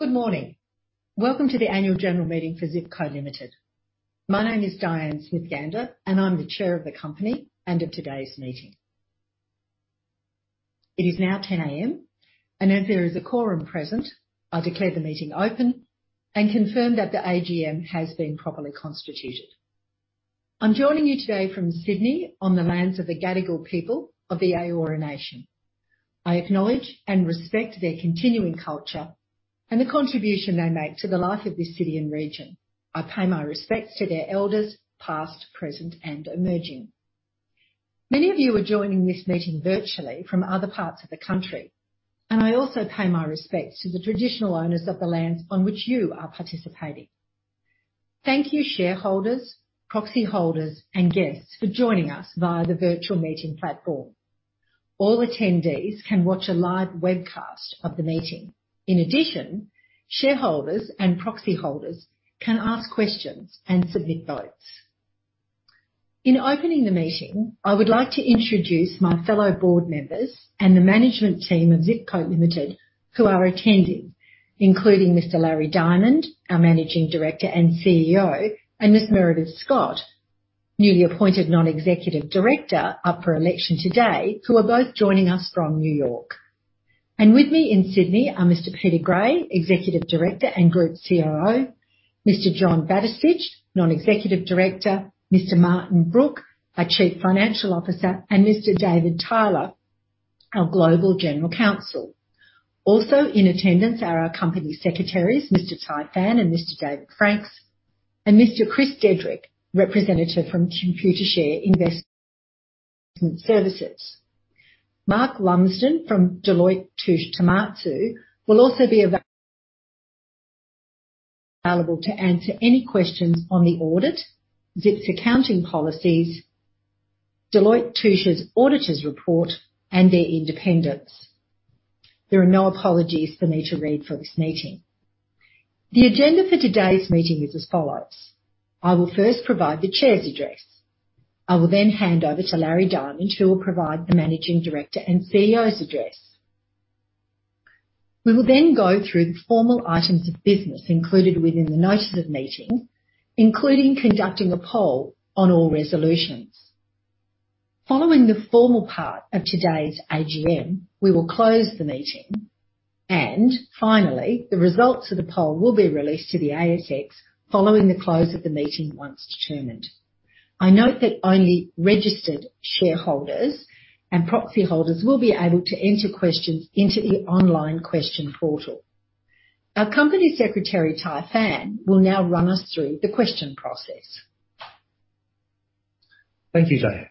Good morning. Welcome to the annual general meeting for Zip Co Limited. My name is Diane Smith-Gander, and I'm the Chair of the company and of today's meeting. It is now 10:00A.M., and as there is a quorum present, I declare the meeting open and confirm that the AGM has been properly constituted. I'm joining you today from Sydney on the lands of the Gadigal people of the Eora Nation. I acknowledge and respect their continuing culture and the contribution they make to the life of this city and region. I pay my respects to their elders, past, present, and emerging. Many of you are joining this meeting virtually from other parts of the country, and I also pay my respects to the traditional owners of the lands on which you are participating. Thank you, shareholders, proxy holders and guests for joining us via the virtual meeting platform. All attendees can watch a live webcast of the meeting. In addition, shareholders and proxy holders can ask questions and submit votes. In opening the meeting, I would like to introduce my fellow board members and the management team of Zip Co Limited who are attending, including Mr. Larry Diamond, our Managing Director and CEO, and Miss Meredith Scott, newly appointed Non-Executive Director up for election today, who are both joining us from New York. With me in Sydney are Mr. Peter Gray, Executive Director and Group COO, Mr. John Batistich, Non-Executive Director, Mr. Martin Brook, our Chief Financial Officer, and Mr. David Tyler, our Global General Counsel. Also in attendance are our company secretaries, Mr. Tai Phan and Mr. David Franks, and Mr. Chris Dedrick, representative from Computershare Investor Services. Mark Lumsden from Deloitte Touche Tohmatsu will also be available to answer any questions on the audit, Zip's accounting policies, Deloitte Touche's auditors report, and their independence. There are no apologies for me to read for this meeting. The agenda for today's meeting is as follows. I will first provide the chair's address. I will then hand over to Larry Diamond, who will provide the Managing Director and CEO's address. We will then go through the formal items of business included within the notice of meeting, including conducting a poll on all resolutions. Following the formal part of today's AGM, we will close the meeting, and finally, the results of the poll will be released to the ASX following the close of the meeting once determined. I note that only registered shareholders and proxy holders will be able to enter questions into the online question portal. Our Company Secretary, Tai Phan, will now run us through the question process. Thank you, Diane.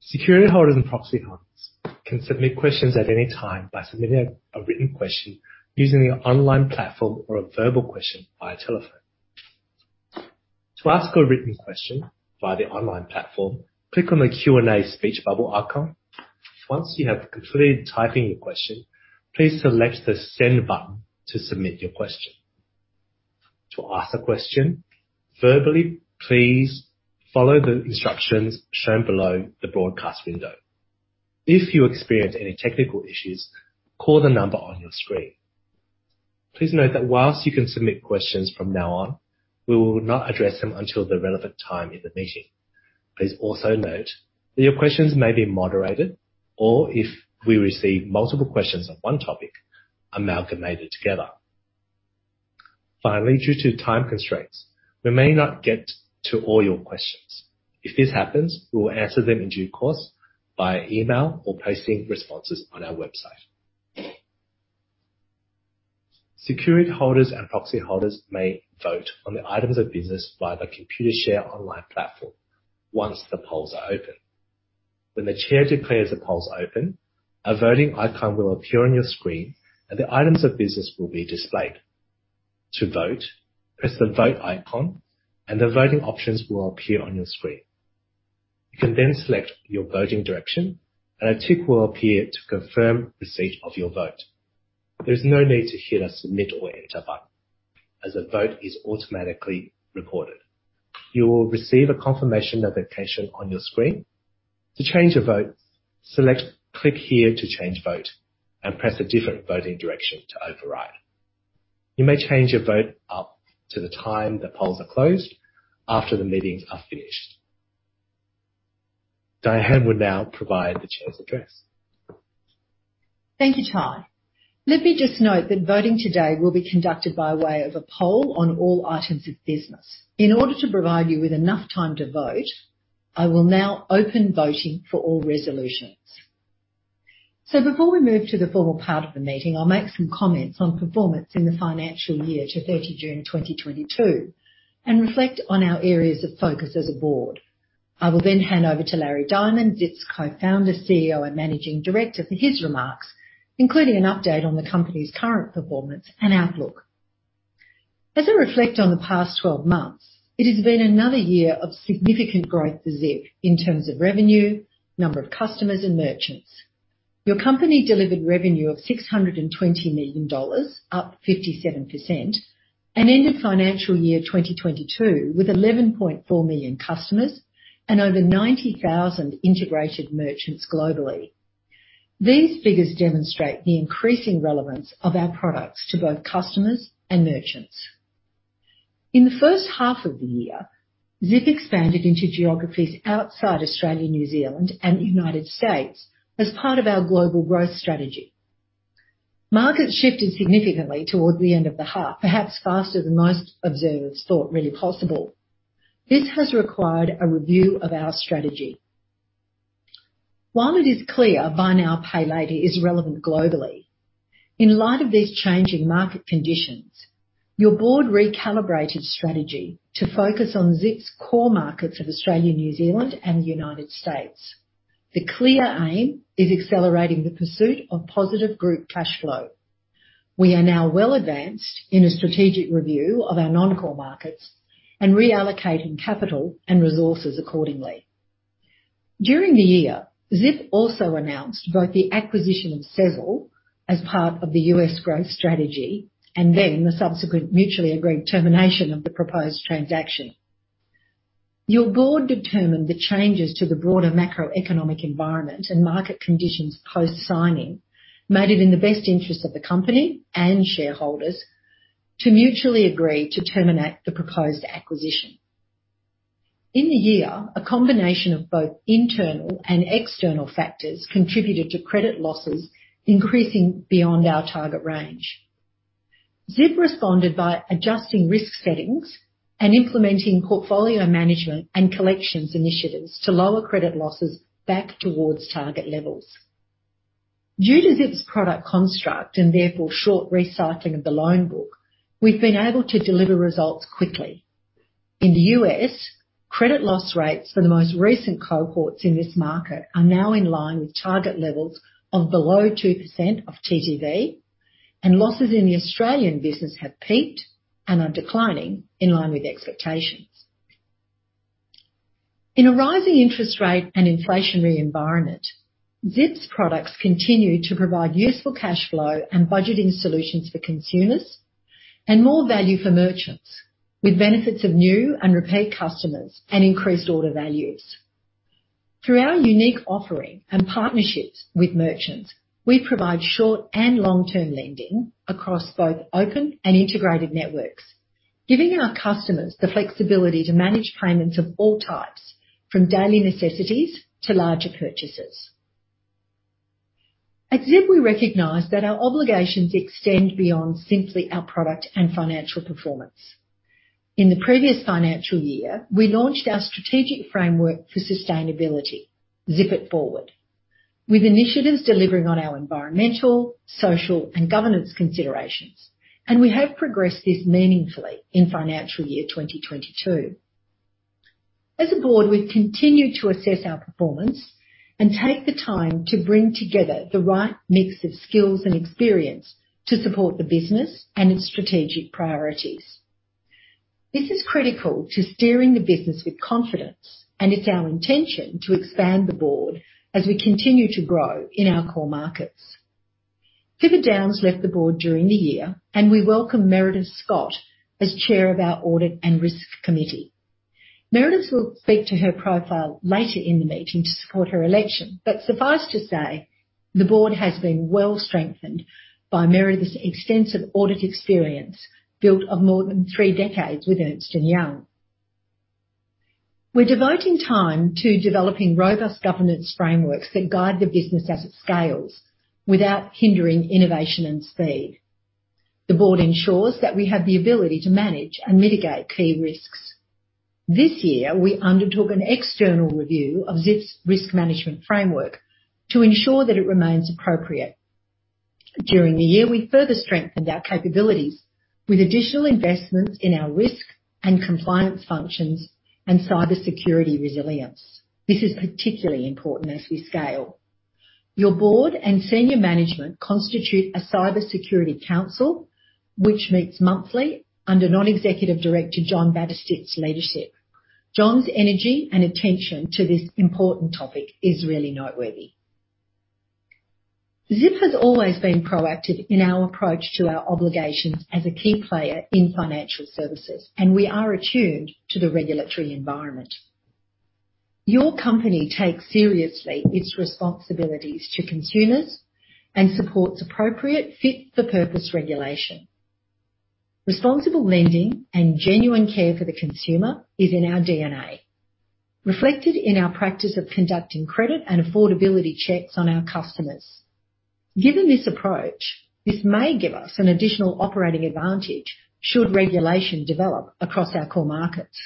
Security holders and proxy holders can submit questions at any time by submitting a written question using the online platform or a verbal question via telephone. To ask a written question via the online platform, click on the Q&A speech bubble icon. Once you have completed typing your question, please select the Send button to submit your question. To ask a question verbally, please follow the instructions shown below the broadcast window. If you experience any technical issues, call the number on your screen. Please note that while you can submit questions from now on, we will not address them until the relevant time in the meeting. Please also note that your questions may be moderated or, if we receive multiple questions on one topic, amalgamated together. Finally, due to time constraints, we may not get to all your questions. If this happens, we will answer them in due course via email or posting responses on our website. Security holders and proxy holders may vote on the items of business via the Computershare online platform once the polls are open. When the chair declares the polls open, a voting icon will appear on your screen, and the items of business will be displayed. To vote, press the Vote icon, and the voting options will appear on your screen. You can then select your voting direction, and a tick will appear to confirm receipt of your vote. There's no need to hit a Submit or Enter button as the vote is automatically recorded. You will receive a confirmation notification on your screen. To change a vote, select Click Here to change vote and press a different voting direction to override. You may change your vote up to the time the polls are closed after the meetings are finished. Diane will now provide the chair's address. Thank you, Tai. Let me just note that voting today will be conducted by way of a poll on all items of business. In order to provide you with enough time to vote, I will now open voting for all resolutions. Before we move to the formal part of the meeting, I'll make some comments on performance in the financial year to June 30 2022 and reflect on our areas of focus as a board. I will then hand over to Larry Diamond, Zip's Co-founder, CEO, and Managing Director for his remarks, including an update on the company's current performance and outlook. As I reflect on the past 12 months, it has been another year of significant growth for Zip in terms of revenue, number of customers and merchants. Your company delivered revenue of 620 million dollars, up 57% and ended financial year 2022 with 11.4 million customers and over 90,000 integrated merchants globally. These figures demonstrate the increasing relevance of our products to both customers and merchants. In the first half of the year, Zip expanded into geographies outside Australia, New Zealand, and the United States as part of our global growth strategy. Markets shifted significantly toward the end of the half, perhaps faster than most observers thought really possible. This has required a review of our strategy. While it is clear buy now, pay later is relevant globally, in light of these changing market conditions, your board recalibrated strategy to focus on Zip's core markets of Australia, New Zealand, and the United States. The clear aim is accelerating the pursuit of positive group cash flow. We are now well advanced in a strategic review of our non-core markets and reallocating capital and resources accordingly. During the year, Zip also announced both the acquisition of Sezzle as part of the U.S. growth strategy and then the subsequent mutually agreed termination of the proposed transaction. Your board determined the changes to the broader macroeconomic environment and market conditions post-signing made it in the best interest of the company and shareholders to mutually agree to terminate the proposed acquisition. In the year, a combination of both internal and external factors contributed to credit losses increasing beyond our target range. Zip responded by adjusting risk settings and implementing portfolio management and collections initiatives to lower credit losses back towards target levels. Due to Zip's product construct, and therefore short recycling of the loan book, we've been able to deliver results quickly. In the U.S., credit loss rates for the most recent cohorts in this market are now in line with target levels of below 2% of TTV, and losses in the Australian business have peaked and are declining in line with expectations. In a rising interest rate and inflationary environment, Zip's products continue to provide useful cash flow and budgeting solutions for consumers and more value for merchants, with benefits of new and repeat customers and increased order values. Through our unique offering and partnerships with merchants, we provide short and long-term lending across both open and integrated networks, giving our customers the flexibility to manage payments of all types, from daily necessities to larger purchases. At Zip, we recognize that our obligations extend beyond simply our product and financial performance. In the previous financial year, we launched our strategic framework for sustainability, Zip It Forward, with initiatives delivering on our environmental, social, and governance considerations, and we have progressed this meaningfully in financial year 2022. As a board, we've continued to assess our performance and take the time to bring together the right mix of skills and experience to support the business and its strategic priorities. This is critical to steering the business with confidence, and it's our intention to expand the board as we continue to grow in our core markets. Pippa Downes left the board during the year, and we welcome Meredith Scott as chair of our audit and risk committee. Meredith will speak to her profile later in the meeting to support her election, but suffice to say the board has been well strengthened by Meredith's extensive audit experience built over more than three decades with Ernst & Young. We're devoting time to developing robust governance frameworks that guide the business as it scales without hindering innovation and speed. The board ensures that we have the ability to manage and mitigate key risks. This year, we undertook an external review of Zip's risk management framework to ensure that it remains appropriate. During the year, we further strengthened our capabilities with additional investments in our risk and compliance functions and cybersecurity resilience. This is particularly important as we scale. Your board and senior management constitute a cybersecurity council, which meets monthly under Non-Executive Director John Batistich's leadership. John's energy and attention to this important topic is really noteworthy. Zip has always been proactive in our approach to our obligations as a key player in financial services, and we are attuned to the regulatory environment. Your company takes seriously its responsibilities to consumers and supports appropriate fit-for-purpose regulation. Responsible lending and genuine care for the consumer is in our DNA, reflected in our practice of conducting credit and affordability checks on our customers. Given this approach, this may give us an additional operating advantage should regulation develop across our core markets.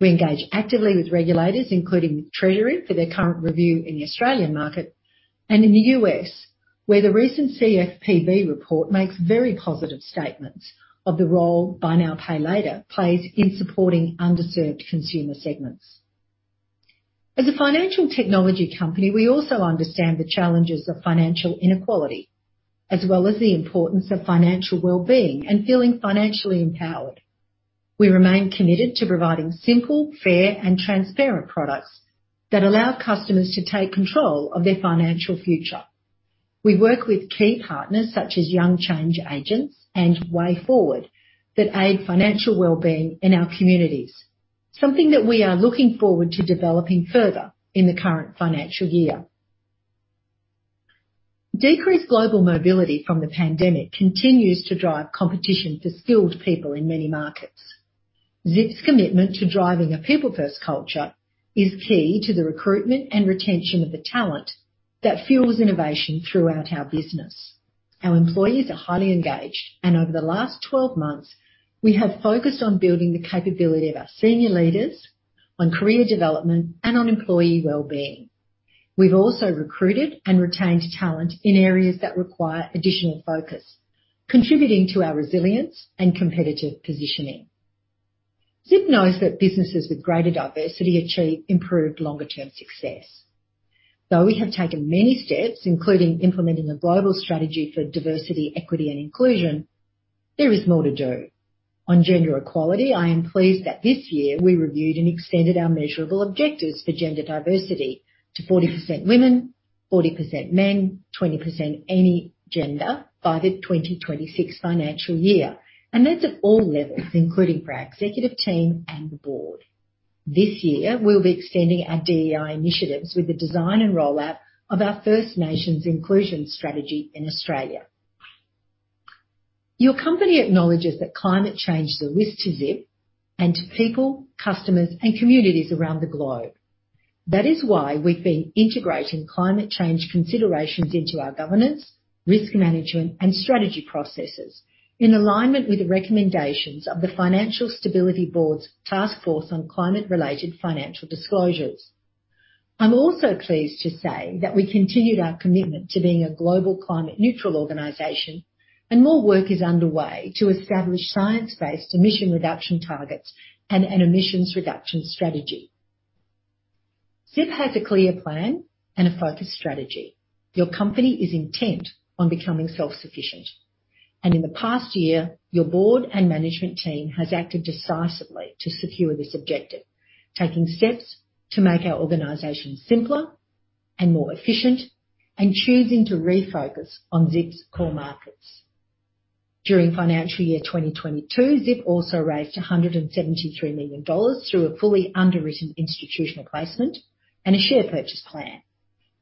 We engage actively with regulators, including Treasury for their current review in the Australian market and in the U.S., where the recent CFPB report makes very positive statements of the role buy now, pay later plays in supporting underserved consumer segments. As a financial technology company, we also understand the challenges of financial inequality, as well as the importance of financial well-being and feeling financially empowered. We remain committed to providing simple, fair, and transparent products that allow customers to take control of their financial future. We work with key partners such as Young Change Agents and Way Forward that aid financial well-being in our communities, something that we are looking forward to developing further in the current financial year. Decreased global mobility from the pandemic continues to drive competition for skilled people in many markets. Zip's commitment to driving a people-first culture is key to the recruitment and retention of the talent that fuels innovation throughout our business. Our employees are highly engaged, and over the last 12 months, we have focused on building the capability of our senior leaders on career development and on employee well-being. We've also recruited and retained talent in areas that require additional focus, contributing to our resilience and competitive positioning. Zip knows that businesses with greater diversity achieve improved longer-term success. Though we have taken many steps, including implementing a global strategy for diversity, equity, and inclusion, there is more to do. On gender equality, I am pleased that this year we reviewed and extended our measurable objectives for gender diversity to 40% women, 40% men, 20% any gender by the 2026 financial year. That's at all levels, including for our executive team and the board. This year, we'll be extending our DEI initiatives with the design and rollout of our First Nations inclusion strategy in Australia. Your company acknowledges that climate change is a risk to Zip and to people, customers, and communities around the globe. That is why we've been integrating climate change considerations into our governance, risk management, and strategy processes in alignment with the recommendations of the Financial Stability Board Task Force on climate-related financial disclosures. I'm also pleased to say that we continued our commitment to being a global climate-neutral organization, and more work is underway to establish science-based emission reduction targets and an emissions reduction strategy. Zip has a clear plan and a focused strategy. Your company is intent on becoming self-sufficient. In the past year, your board and management team has acted decisively to secure this objective, taking steps to make our organization simpler and more efficient and choosing to refocus on Zip's core markets. During financial year 2022, Zip also raised 173 million dollars through a fully underwritten institutional placement and a share purchase plan,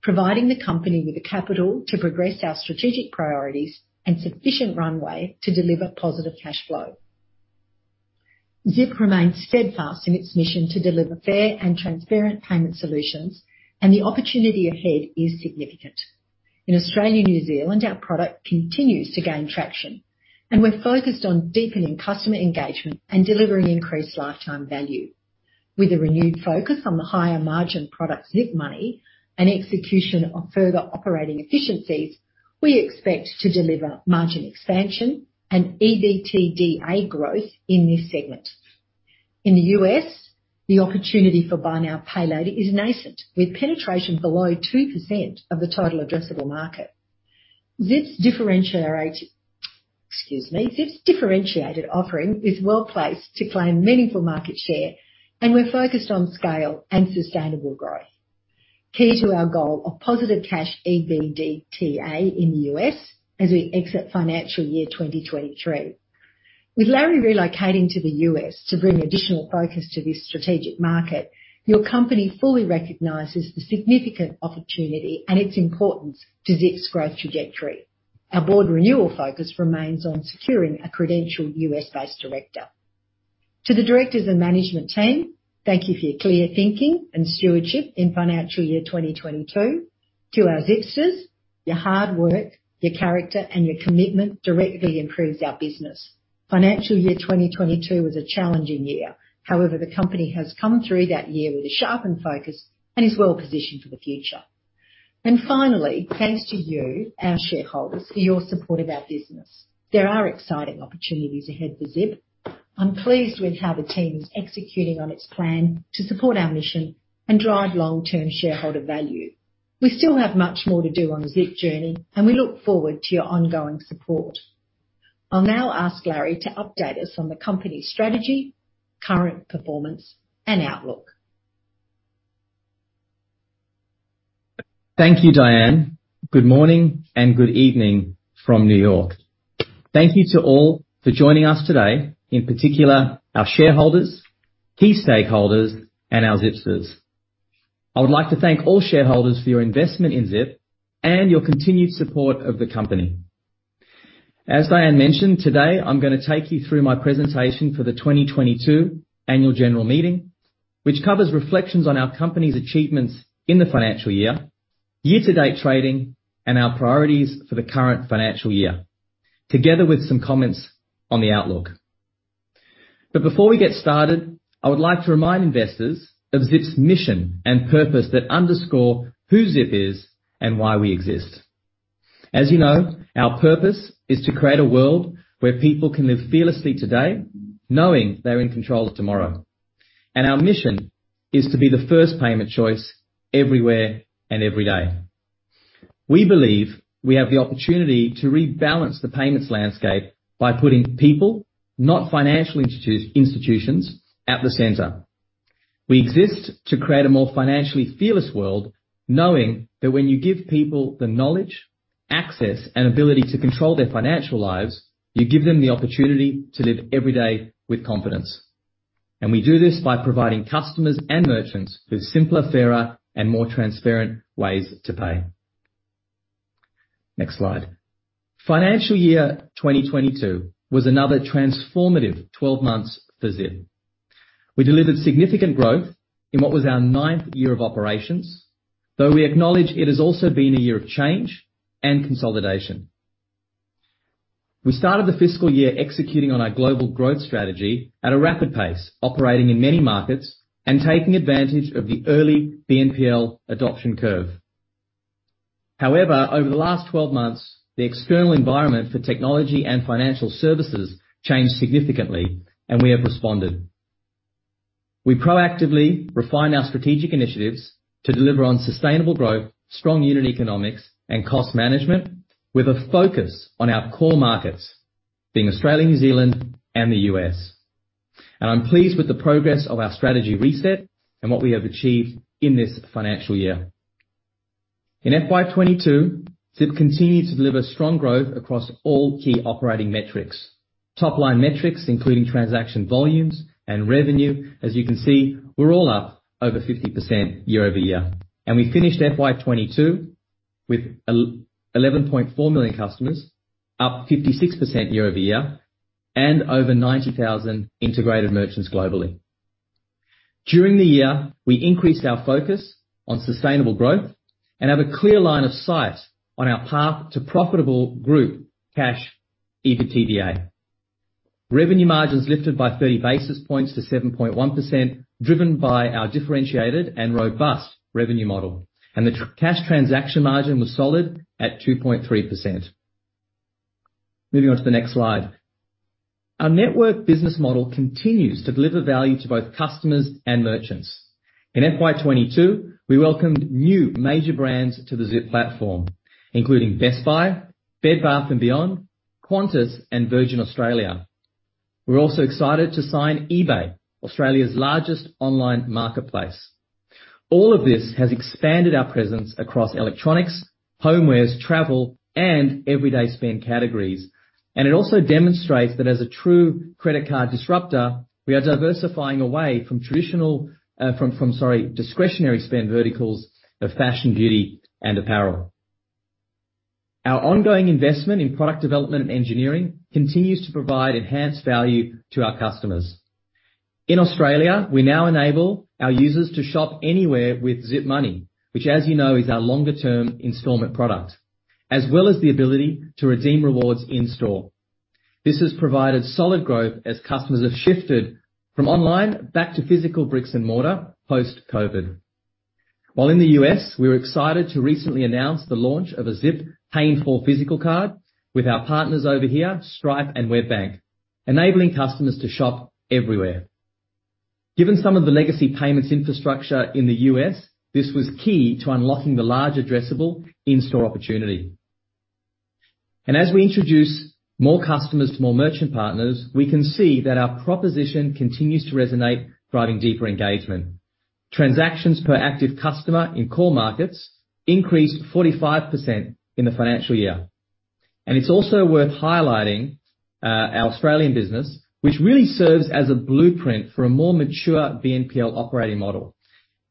providing the company with the capital to progress our strategic priorities and sufficient runway to deliver positive cash flow. Zip remains steadfast in its mission to deliver fair and transparent payment solutions, and the opportunity ahead is significant. In Australia and New Zealand, our product continues to gain traction, and we're focused on deepening customer engagement and delivering increased lifetime value. With a renewed focus on the higher-margin products, Zip Money and execution of further operating efficiencies, we expect to deliver margin expansion and EBITDA growth in this segment. In the U.S., the opportunity for buy now, pay later is nascent, with penetration below 2% of the total addressable market. Excuse me. Zip's differentiated offering is well-placed to claim meaningful market share, and we're focused on scale and sustainable growth. Key to our goal of positive cash EBITDA in the U.S. as we exit financial year 2023. With Larry relocating to the U.S. to bring additional focus to this strategic market, your company fully recognizes the significant opportunity and its importance to Zip's growth trajectory. Our board renewal focus remains on securing a credible U.S.-based director. To the directors and management team, thank you for your clear thinking and stewardship in financial year 2022. To our Zipsters, your hard work, your character, and your commitment directly improves our business. Financial year 2022 was a challenging year. However, the company has come through that year with a sharpened focus and is well positioned for the future. Finally, thanks to you, our shareholders, for your support of our business. There are exciting opportunities ahead for Zip. I'm pleased with how the team is executing on its plan to support our mission and drive long-term shareholder value. We still have much more to do on the Zip journey, and we look forward to your ongoing support. I'll now ask Larry to update us on the company's strategy, current performance, and outlook. Thank you, Diane. Good morning and good evening from New York. Thank you to all for joining us today, in particular, our shareholders, key stakeholders, and our Zipsters. I would like to thank all shareholders for your investment in Zip and your continued support of the company. As Diane mentioned, today I'm gonna take you through my presentation for the 2022 annual general meeting, which covers reflections on our company's achievements in the financial year-to-date trading, and our priorities for the current financial year, together with some comments on the outlook. Before we get started, I would like to remind investors of Zip's mission and purpose that underscore who Zip is and why we exist. As you know, our purpose is to create a world where people can live fearlessly today, knowing they're in control of tomorrow. Our mission is to be the first payment choice everywhere and every day. We believe we have the opportunity to rebalance the payments landscape by putting people, not financial institutions, at the center. We exist to create a more financially fearless world, knowing that when you give people the knowledge, access, and ability to control their financial lives, you give them the opportunity to live every day with confidence. We do this by providing customers and merchants with simpler, fairer, and more transparent ways to pay. Next slide. Financial year 2022 was another transformative 12 months for Zip. We delivered significant growth in what was our ninth year of operations, though we acknowledge it has also been a year of change and consolidation. We started the fiscal year executing on our global growth strategy at a rapid pace, operating in many markets and taking advantage of the early BNPL adoption curve. However, over the last 12 months, the external environment for technology and financial services changed significantly, and we have responded. We proactively refined our strategic initiatives to deliver on sustainable growth, strong unit economics and cost management with a focus on our core markets being Australia, New Zealand and the U.S. I'm pleased with the progress of our strategy reset and what we have achieved in this financial year. In FY 2022, Zip continued to deliver strong growth across all key operating metrics. Top line metrics, including transaction volumes and revenue. As you can see, we're all up over 50% year-over-year. We finished FY 2022 with 11.4 million customers, up 56% year-over-year, and over 90,000 integrated merchants globally. During the year, we increased our focus on sustainable growth and have a clear line of sight on our path to profitable group cash EBITDA. Revenue margins lifted by 30 basis points to 7.1%, driven by our differentiated and robust revenue model. The cash transaction margin was solid at 2.3%. Moving on to the next slide. Our network business model continues to deliver value to both customers and merchants. In FY 2022, we welcomed new major brands to the Zip platform, including Best Buy, Bed Bath & Beyond, Qantas and Virgin Australia. We're also excited to sign eBay, Australia's largest online marketplace. All of this has expanded our presence across electronics, homewares, travel and everyday spend categories. It also demonstrates that as a true credit card disruptor, we are diversifying away from traditional discretionary spend verticals of fashion, beauty and apparel. Our ongoing investment in product development and engineering continues to provide enhanced value to our customers. In Australia, we now enable our users to shop anywhere with Zip Money, which, as you know, is our longer-term installment product, as well as the ability to redeem rewards in store. This has provided solid growth as customers have shifted from online back to physical bricks and mortar post-COVID. While in the U.S., we are excited to recently announce the launch of a Zip Pay in 4 physical card with our partners over here, Stripe and WebBank, enabling customers to shop everywhere. Given some of the legacy payments infrastructure in the U.S., this was key to unlocking the large addressable in-store opportunity. As we introduce more customers to more merchant partners, we can see that our proposition continues to resonate, driving deeper engagement. Transactions per active customer in core markets increased 45% in the financial year. It's also worth highlighting our Australian business, which really serves as a blueprint for a more mature BNPL operating model,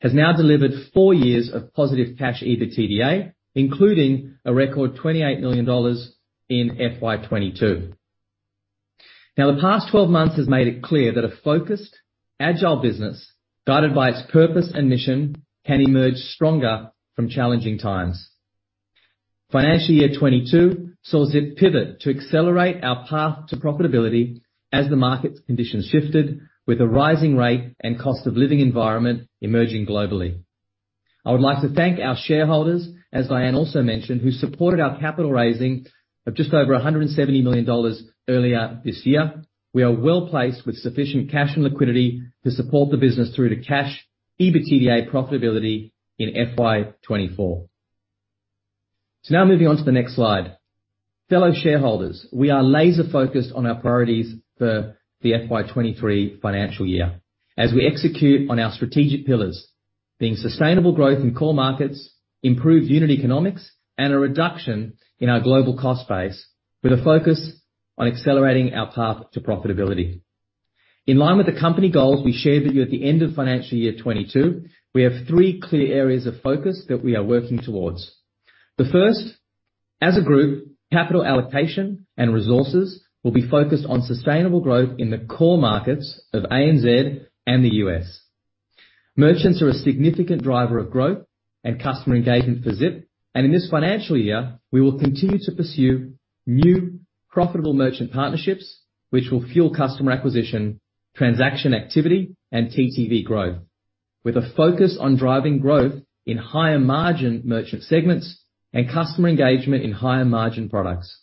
has now delivered four years of positive cash EBITDA, including a record 28 million dollars in FY 2022. Now, the past 12 months has made it clear that a focused, agile business, guided by its purpose and mission, can emerge stronger from challenging times. Financial year 2022 saw Zip pivot to accelerate our path to profitability as the market conditions shifted, with a rising rate and cost of living environment emerging globally. I would like to thank our shareholders, as Diane also mentioned, who supported our capital raising of just over 170 million dollars earlier this year. We are well-placed with sufficient cash and liquidity to support the business through to cash EBITDA profitability in FY 2024. Now moving on to the next slide. Fellow shareholders, we are laser focused on our priorities for the FY 2023 financial year as we execute on our strategic pillars being sustainable growth in core markets, improved unit economics and a reduction in our global cost base with a focus on accelerating our path to profitability. In line with the company goals we shared with you at the end of financial year 2022, we have three clear areas of focus that we are working towards. The first, as a group, capital allocation and resources will be focused on sustainable growth in the core markets of ANZ and the U.S. Merchants are a significant driver of growth and customer engagement for Zip, and in this financial year, we will continue to pursue new profitable merchant partnerships, which will fuel customer acquisition, transaction activity and TTV growth. With a focus on driving growth in higher margin merchant segments and customer engagement in higher margin products.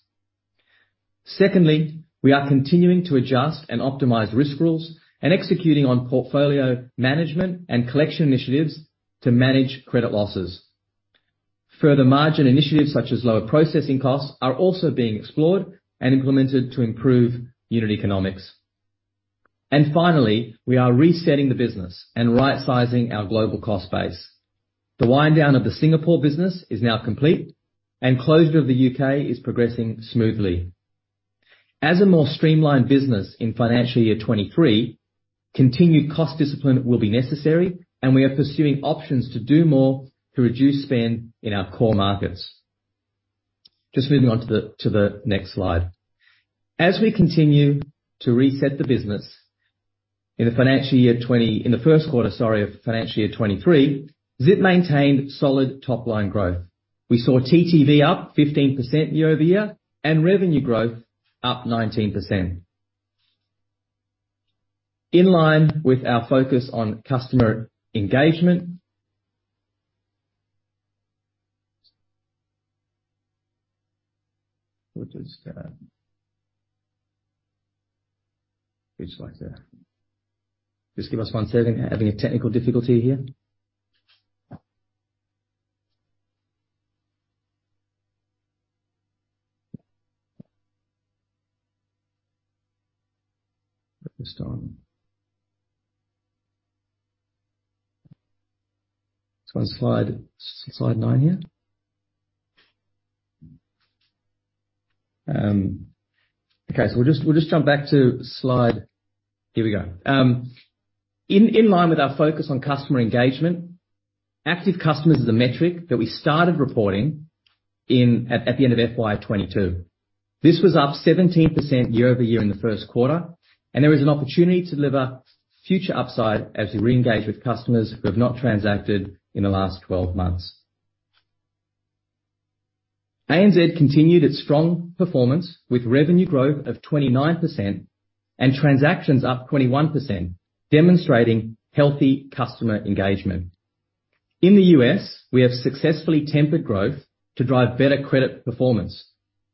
Secondly, we are continuing to adjust and optimize risk rules and executing on portfolio management and collection initiatives to manage credit losses. Further margin initiatives such as lower processing costs are also being explored and implemented to improve unit economics. Finally, we are resetting the business and rightsizing our global cost base. The wind down of the Singapore business is now complete, and closure of the U.K. is progressing smoothly. As a more streamlined business in financial year 2023, continued cost discipline will be necessary, and we are pursuing options to do more to reduce spend in our core markets. Just moving on to the next slide. As we continue to reset the business in the financial year 2023. In the first quarter, sorry, of financial year 2023, Zip maintained solid top-line growth. We saw TTV up 15% year-over-year, and revenue growth up 19%. In line with our focus on customer engagement. Which slide there? Just give us one second. Having a technical difficulty here. On slide nine here. Okay, we'll just jump back to slide. Here we go. In line with our focus on customer engagement, active customers is a metric that we started reporting at the end of FY 2022. This was up 17% year-over-year in the first quarter, and there is an opportunity to deliver future upside as we reengage with customers who have not transacted in the last 12 months. ANZ continued its strong performance with revenue growth of 29% and transactions up 21%, demonstrating healthy customer engagement. In the U.S., we have successfully tempered growth to drive better credit performance,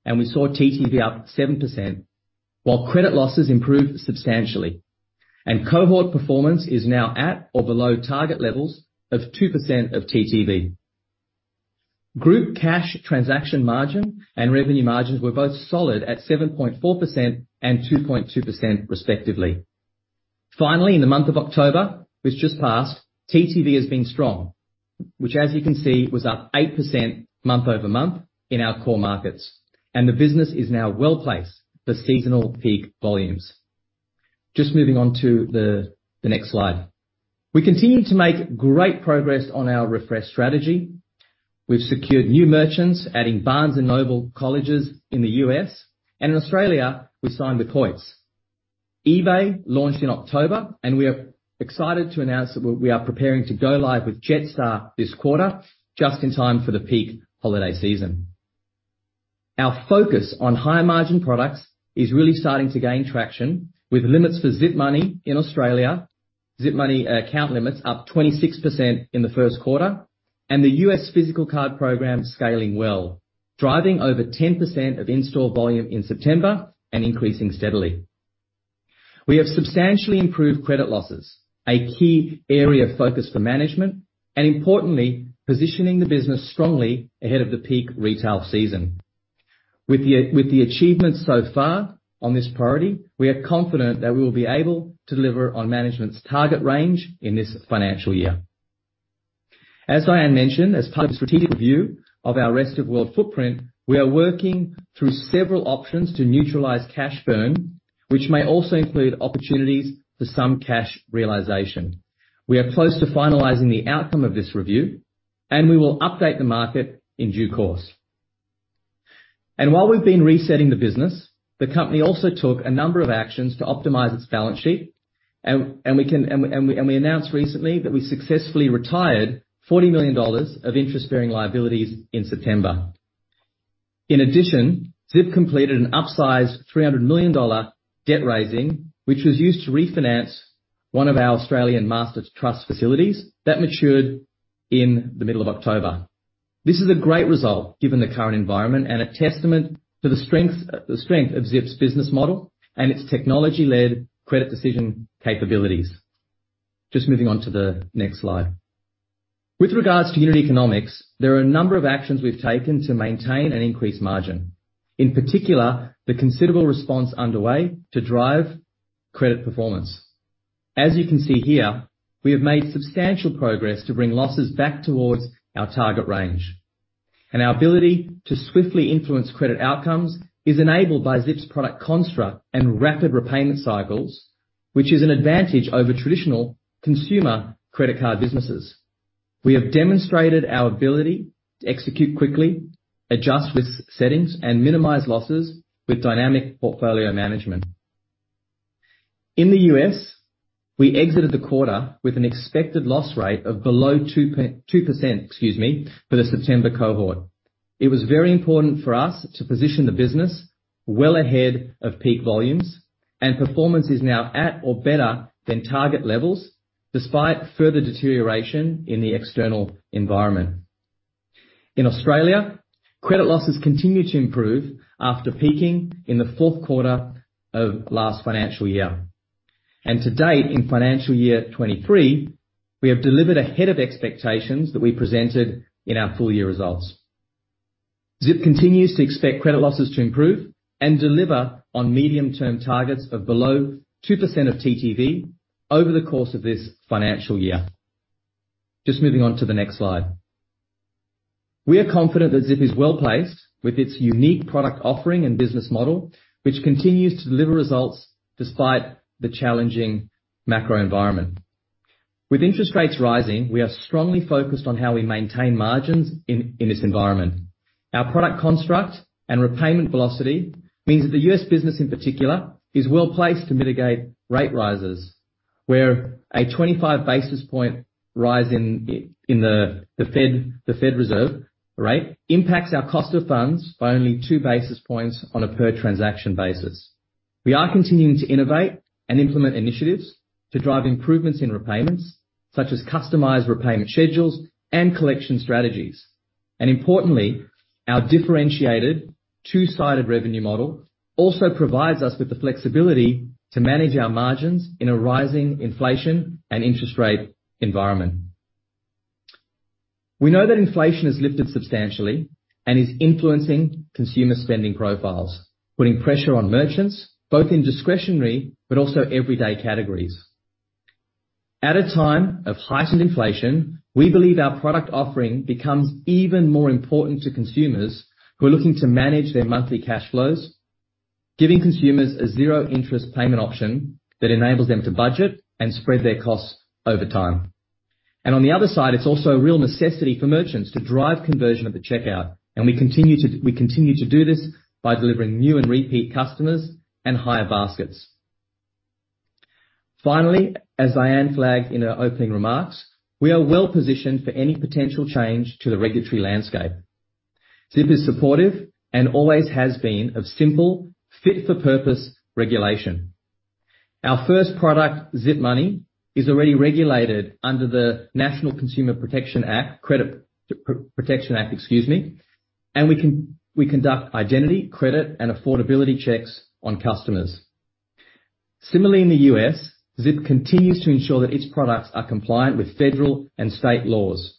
and we saw TTV up 7%, while credit losses improved substantially. Cohort performance is now at or below target levels of 2% of TTV. Group cash transaction margin and revenue margins were both solid at 7.4% and 2.2% respectively. Finally, in the month of October, which just passed, TTV has been strong, which as you can see, was up 8% month-over-month in our core markets, and the business is now well-placed for seasonal peak volumes. Just moving on to the next slide. We continue to make great progress on our refresh strategy. We've secured new merchants, adding Barnes & Noble College in the U.S., and in Australia, we signed with HOYTS. eBay launched in October, and we are excited to announce that we are preparing to go live with Jetstar this quarter, just in time for the peak holiday season. Our focus on higher margin products is really starting to gain traction, with limits for Zip Money in Australia. Zip Money, credit limits up 26% in the first quarter, and the U.S. physical card program scaling well, driving over 10% of in-store volume in September and increasing steadily. We have substantially improved credit losses, a key area of focus for management and importantly, positioning the business strongly ahead of the peak retail season. With the achievements so far on this priority, we are confident that we will be able to deliver on management's target range in this financial year. As Diane mentioned, as part of the strategic review of our rest of world footprint, we are working through several options to neutralize cash burn, which may also include opportunities for some cash realization. We are close to finalizing the outcome of this review, and we will update the market in due course. While we've been resetting the business, the company also took a number of actions to optimize its balance sheet. We announced recently that we successfully retired 40 million dollars of interest-bearing liabilities in September. In addition, Zip completed an upsize 300 million dollar debt raising, which was used to refinance one of our Australian master trust facilities that matured in the middle of October. This is a great result given the current environment and a testament to the strength of Zip's business model and its technology-led credit decision capabilities. Just moving on to the next slide. With regards to unit economics, there are a number of actions we've taken to maintain an increased margin, in particular, the considerable response underway to drive credit performance. As you can see here, we have made substantial progress to bring losses back towards our target range. Our ability to swiftly influence credit outcomes is enabled by Zip's product construct and rapid repayment cycles, which is an advantage over traditional consumer credit card businesses. We have demonstrated our ability to execute quickly, adjust risk settings, and minimize losses with dynamic portfolio management. In the U.S., we exited the quarter with an expected loss rate of below 2.2%, excuse me, for the September cohort. It was very important for us to position the business well ahead of peak volumes. Performance is now at or better than target levels despite further deterioration in the external environment. In Australia, credit losses continued to improve after peaking in the fourth quarter of last financial year. To date, in financial year 2023, we have delivered ahead of expectations that we presented in our full year results. Zip continues to expect credit losses to improve and deliver on medium-term targets of below 2% of TTV over the course of this financial year. Just moving on to the next slide. We are confident that Zip is well-placed with its unique product offering and business model, which continues to deliver results despite the challenging macro environment. With interest rates rising, we are strongly focused on how we maintain margins in this environment. Our product construct and repayment velocity means that the U.S. business in particular is well-placed to mitigate rate rises, where a 25 basis point rise in the Federal Reserve rate impacts our cost of funds by only two basis points on a per transaction basis. We are continuing to innovate and implement initiatives to drive improvements in repayments, such as customized repayment schedules and collection strategies. Importantly, our differentiated two-sided revenue model also provides us with the flexibility to manage our margins in a rising inflation and interest rate environment. We know that inflation has lifted substantially and is influencing consumer spending profiles, putting pressure on merchants, both in discretionary but also everyday categories. At a time of heightened inflation, we believe our product offering becomes even more important to consumers who are looking to manage their monthly cash flows, giving consumers a zero interest payment option that enables them to budget and spread their costs over time. On the other side, it's also a real necessity for merchants to drive conversion at the checkout, and we continue to do this by delivering new and repeat customers and higher baskets. Finally, as Diane flagged in her opening remarks, we are well-positioned for any potential change to the regulatory landscape. Zip is supportive and always has been of simple fit for purpose regulation. Our first product, Zip Money, is already regulated under the National Consumer Credit Protection Act, and we conduct identity, credit, and affordability checks on customers. Similarly, in the U.S., Zip continues to ensure that its products are compliant with federal and state laws.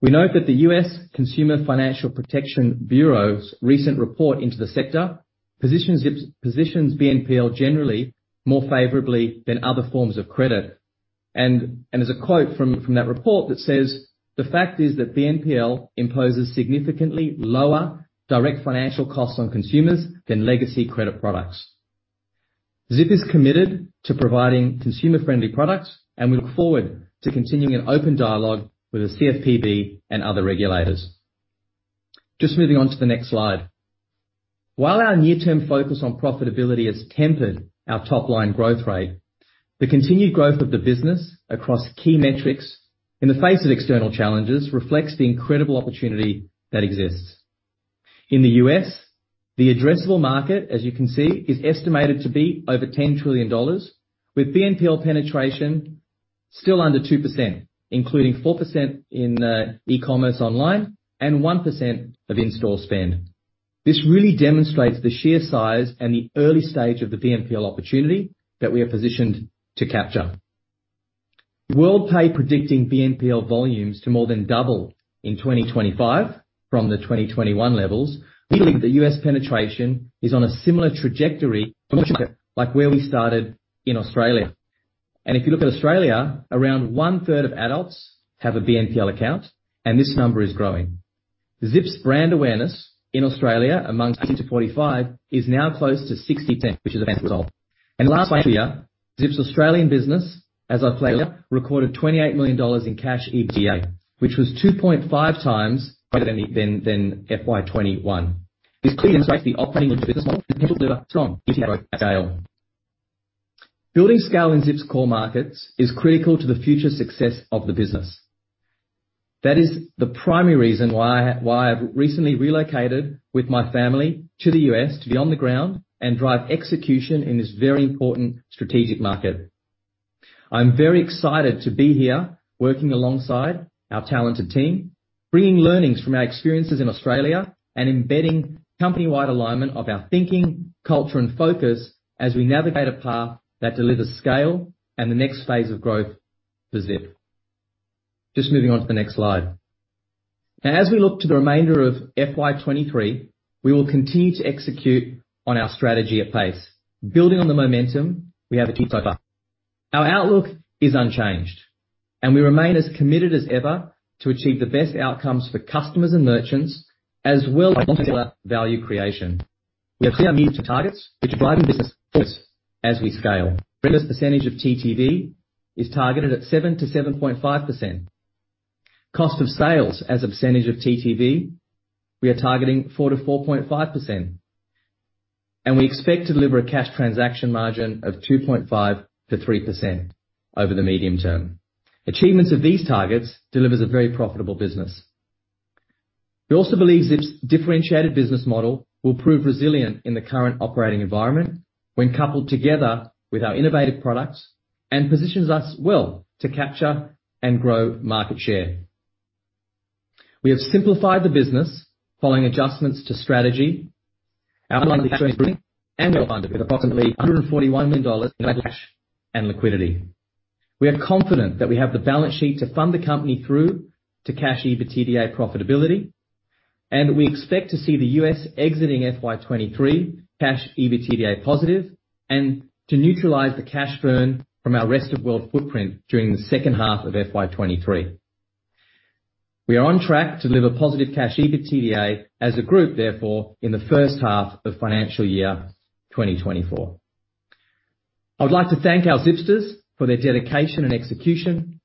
We note that the US Consumer Financial Protection Bureau's recent report into the sector positions BNPL generally more favorably than other forms of credit. There's a quote from that report that says, "The fact is that BNPL imposes significantly lower direct financial costs on consumers than legacy credit products." Zip is committed to providing consumer-friendly products, and we look forward to continuing an open dialogue with the CFPB and other regulators. Just moving on to the next slide. While our near-term focus on profitability has tempered our top-line growth rate, the continued growth of the business across key metrics in the face of external challenges reflects the incredible opportunity that exists. In the U.S., the addressable market, as you can see, is estimated to be over 10 trillion dollars, with BNPL penetration still under 2%, including 4% in e-commerce online and 1% of in-store spend. This really demonstrates the sheer size and the early stage of the BNPL opportunity that we are positioned to capture. Worldpay predicting BNPL volumes to more than double in 2025 from the 2021 levels. We think the U.S. penetration is on a similar trajectory, like where we started in Australia. If you look at Australia, around 1/3 of adults have a BNPL account, and this number is growing. Zip's brand awareness in Australia among 20-45 is now close to 60%. Last year, Zip's Australian business, as I flagged earlier, recorded 28 million dollars in cash EBITDA, which was 2.5x better than FY 2021. This clearly demonstrates the operating business model is built to deliver strong scale. Building scale in Zip's core markets is critical to the future success of the business. That is the primary reason why I've recently relocated with my family to the U.S. to be on the ground and drive execution in this very important strategic market. I'm very excited to be here working alongside our talented team, bringing learnings from our experiences in Australia and embedding company-wide alignment of our thinking, culture, and focus as we navigate a path that delivers scale and the next phase of growth for Zip. Just moving on to the next slide. Now, as we look to the remainder of FY 2023, we will continue to execute on our strategy at pace, building on the momentum we have achieved so far. Our outlook is unchanged, and we remain as committed as ever to achieve the best outcomes for customers and merchants, as well as shareholder value creation. We have clear mid-term targets, which drive business focus as we scale. Risk percentage of TTV is targeted at 7%-7.5%. Cost of sales as a percentage of TTV, we are targeting 4%-4.5%. We expect to deliver a cash transaction margin of 2.5%-3% over the medium term. Achievements of these targets delivers a very profitable business. We also believe Zip's differentiated business model will prove resilient in the current operating environment when coupled together with our innovative products, and positions us well to capture and grow market share. We have simplified the business following adjustments to strategy. Our balance sheet is [bringing annual under] approximately AUD 141 million in net cash and liquidity. We are confident that we have the balance sheet to fund the company through to cash EBITDA profitability, and we expect to see the U.S. exiting FY 2023 cash EBITDA positive, and to neutralize the cash burn from our rest of world footprint during the second half of FY 2023. We are on track to deliver positive cash EBITDA as a group, therefore in the first half of financial year 2024. I would like to thank our Zipsters for their dedication and execution,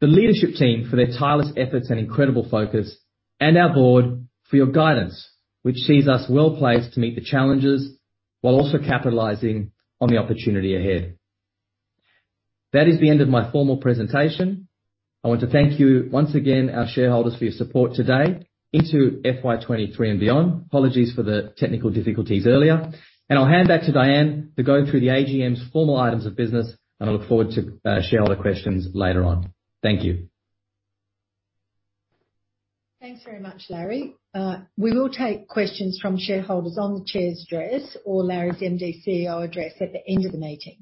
the leadership team for their tireless efforts and incredible focus, and our board for your guidance, which sees us well-placed to meet the challenges while also capitalizing on the opportunity ahead. That is the end of my formal presentation. I want to thank you once again, our shareholders, for your support today into FY 2023 and beyond. Apologies for the technical difficulties earlier. I'll hand back to Diane to go through the AGM's formal items of business, and I look forward to shareholder questions later on. Thank you. Thanks very much, Larry. We will take questions from shareholders on the chair's address or Larry's MD & CEO address at the end of the meeting.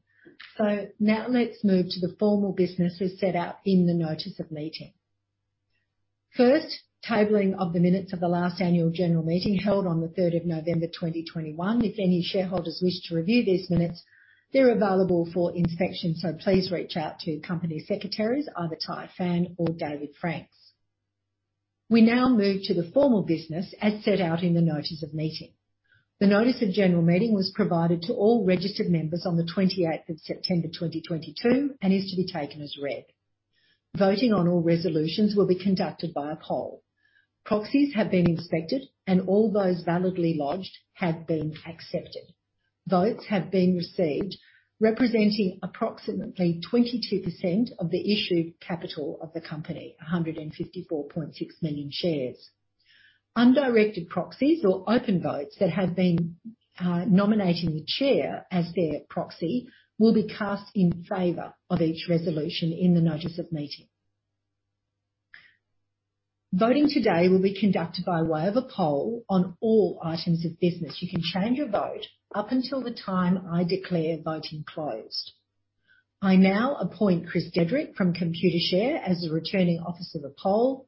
Now let's move to the formal business as set out in the notice of meeting. First, tabling of the minutes of the last annual general meeting held on November 3rd 2021. If any shareholders wish to review these minutes, they're available for inspection, so please reach out to company secretaries, either Tai Phan or David Franks. We now move to the formal business as set out in the notice of meeting. The notice of general meeting was provided to all registered members on the twenty-eighth of September 2022 and is to be taken as read. Voting on all resolutions will be conducted by a poll. Proxies have been inspected and all those validly lodged have been accepted. Votes have been received, representing approximately 22% of the issued capital of the company, 154.6 million shares. Undirected proxies or open votes that have been nominating the chair as their proxy will be cast in favor of each resolution in the notice of meeting. Voting today will be conducted by way of a poll on all items of business. You can change your vote up until the time I declare voting closed. I now appoint Chris Dedrick from Computershare as the Returning Officer of the poll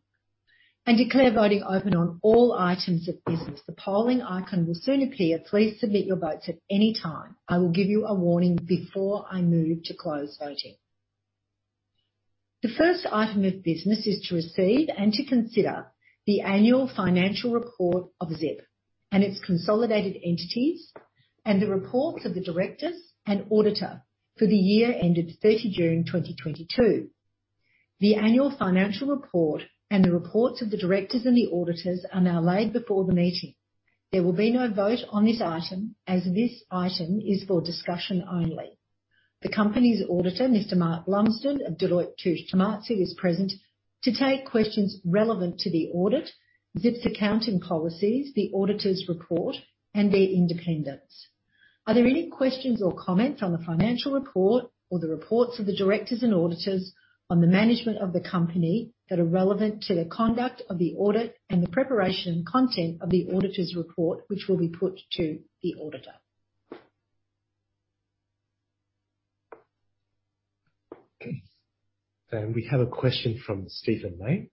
and declare voting open on all items of business. The polling icon will soon appear. Please submit your votes at any time. I will give you a warning before I move to close voting. The first item of business is to receive and to consider the annual financial report of Zip and its consolidated entities, and the reports of the directors and auditor for the year ended June 30 2022. The annual financial report and the reports of the directors and the auditors are now laid before the meeting. There will be no vote on this item as this item is for discussion only. The company's auditor, Mr. Mark Lumsden of Deloitte Touche Tohmatsu, is present to take questions relevant to the audit, Zip's accounting policies, the auditor's report, and their independence. Are there any questions or comments on the financial report or the reports of the directors and auditors on the management of the company that are relevant to the conduct of the audit and the preparation and content of the auditor's report, which will be put to the auditor? Okay. We have a question from Stephen Mayne.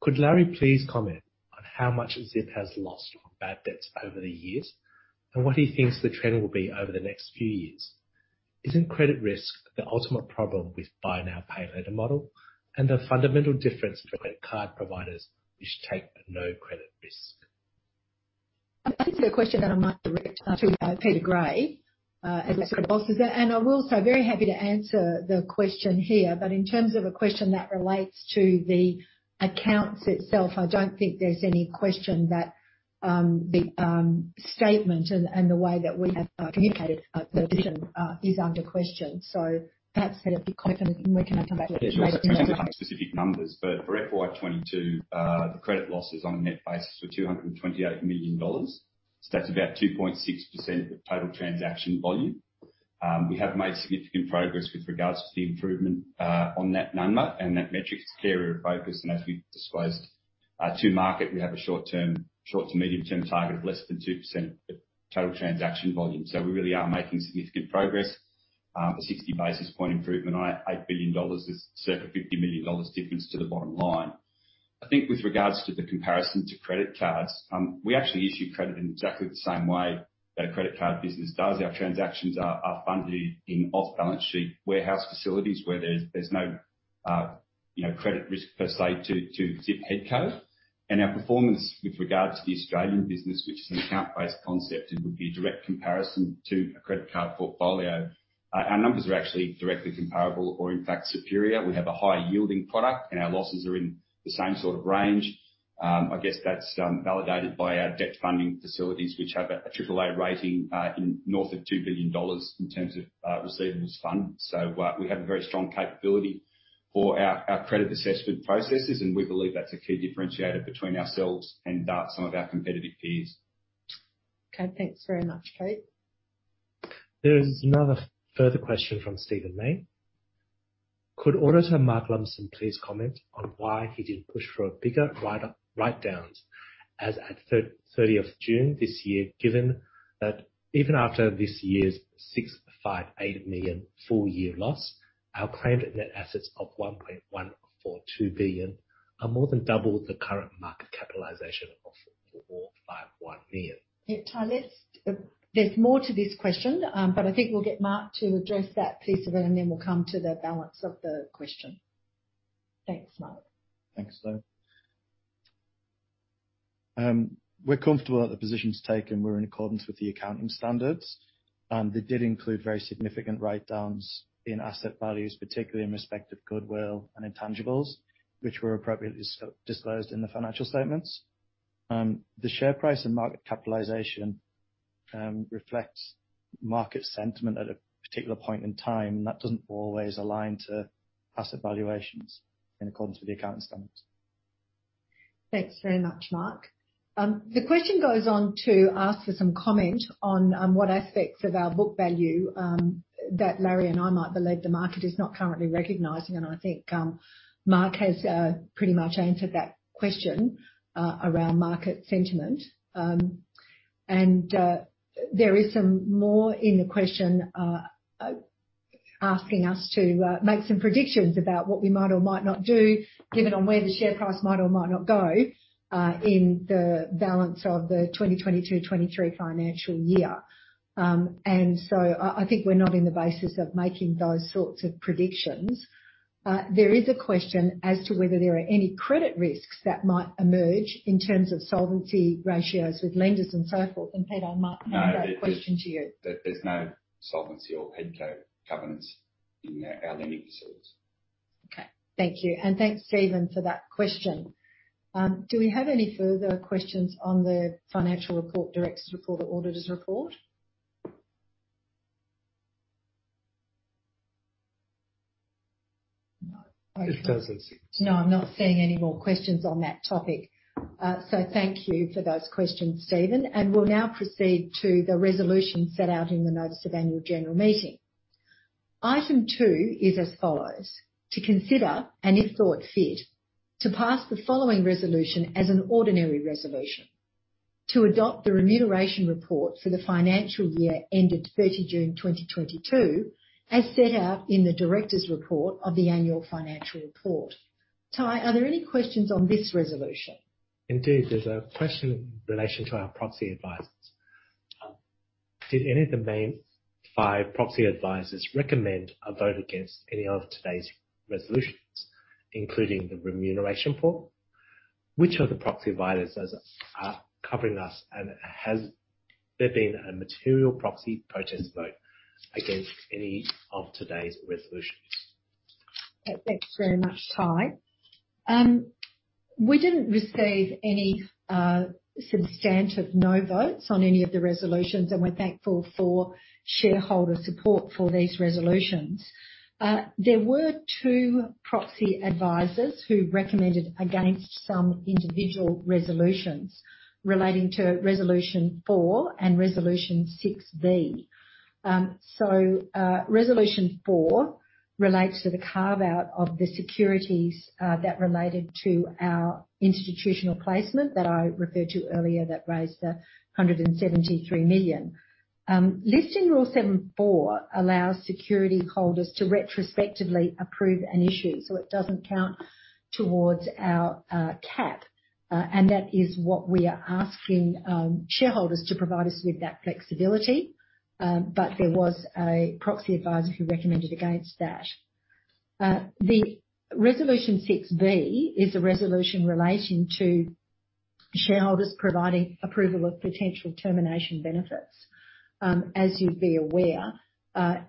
Could Larry please comment on how much Zip has lost on bad debts over the years and what he thinks the trend will be over the next few years? Isn't credit risk the ultimate problem with buy now, pay later model and the fundamental difference from credit card providers which take no credit risk? This is a question that I might direct to Peter Gray as Credit Officer. I will say, very happy to answer the question here, but in terms of a question that relates to the accounts itself, I don't think there's any question that the statement and the way that we have communicated our position is under question. Perhaps, Peter, be quick, and we can come back later. Yeah. Sure. I can give you specific numbers, but for FY 2022, the credit losses on a net basis were AUD 228 million. That's about 2.6% of total transaction volume. We have made significant progress with regards to the improvement on that number and that metric. It's a key area of focus, and as we disclosed to market, we have a short-term, short to medium-term target of less than 2% of total transaction volume. We really are making significant progress. A 60 basis points improvement on 8 billion dollars is circa 50 million dollars difference to the bottom line. I think with regards to the comparison to credit cards, we actually issue credit in exactly the same way that a credit card business does. Our transactions are funded in off-balance sheet warehouse facilities where there's no, you know, credit risk per se to Zip Co. Our performance with regards to the Australian business, which is an account-based concept and would be a direct comparison to a credit card portfolio, our numbers are actually directly comparable or in fact superior. We have a higher yielding product and our losses are in the same sort of range. I guess that's validated by our debt funding facilities, which have a triple-A rating, in north of 2 billion dollars in terms of receivables fund. We have a very strong capability for our credit assessment processes, and we believe that's a key differentiator between ourselves and some of our competitive peers. Okay. Thanks very much, Pete. There is another further question from Stephen Mayne. Could Auditor Mark Lumsden please comment on why he didn't push for bigger write-downs as at June 13th this year, given that even after this year's 6.58 million full year loss, our claimed net assets of 1.142 billion are more than double the current market capitalization of 451 million. Tai, there's more to this question, but I think we'll get Mark to address that piece of it, and then we'll come to the balance of the question. Thanks, Mark. Thanks. We're comfortable that the positions taken were in accordance with the accounting standards, and they did include very significant write-downs in asset values, particularly in respect of goodwill and intangibles, which were appropriately disclosed in the financial statements. The share price and market capitalization reflects market sentiment at a particular point in time, and that doesn't always align to asset valuations in accordance with the accounting standards. Thanks very much, Mark. The question goes on to ask for some comment on what aspects of our book value that Larry and I might believe the market is not currently recognizing. I think Mark has pretty much answered that question around market sentiment. There is some more in the question asking us to make some predictions about what we might or might not do, given on where the share price might or might not go in the balance of the 2022/2023 financial year. I think we're not in the business of making those sorts of predictions. There is a question as to whether there are any credit risks that might emerge in terms of solvency ratios with lenders and so forth. Peter, I might hand that question to you. No. There's no solvency or Okay. Governance in our lending facilities. Okay. Thank you. Thanks, Stephen, for that question. Do we have any further questions on the financial report, director's report or auditor's report? No. It doesn't seem to. No, I'm not seeing any more questions on that topic. Thank you for those questions, Stephen. We'll now proceed to the resolution set out in the notice of annual general meeting. Item 2 is as follows. To consider, and if thought fit, to pass the following resolution as an ordinary resolution. To adopt the remuneration report for the financial year ended June 30 2022, as set out in the director's report of the annual financial report. Tai, are there any questions on this resolution? Indeed, there's a question in relation to our proxy advisors. Did any of the main five proxy advisors recommend a vote against any of today's resolutions, including the remuneration report? Which of the proxy advisors are covering us, and has there been a material proxy protest vote against any of today's resolutions? Thanks very much, Tai. We didn't receive any substantive no votes on any of the resolutions, and we're thankful for shareholder support for these resolutions. There were two proxy advisors who recommended against some individual resolutions relating to Resolution 4 and Resolution 6B. Resolution 4 relates to the carve-out of the securities that related to our institutional placement that I referred to earlier that raised 173 million. Listing Rule 7.4 allows security holders to retrospectively approve an issue, so it doesn't count towards our cap. That is what we are asking shareholders to provide us with that flexibility. But there was a proxy advisor who recommended against that. Resolution 6B is a resolution relating to shareholders providing approval of potential termination benefits. As you'd be aware,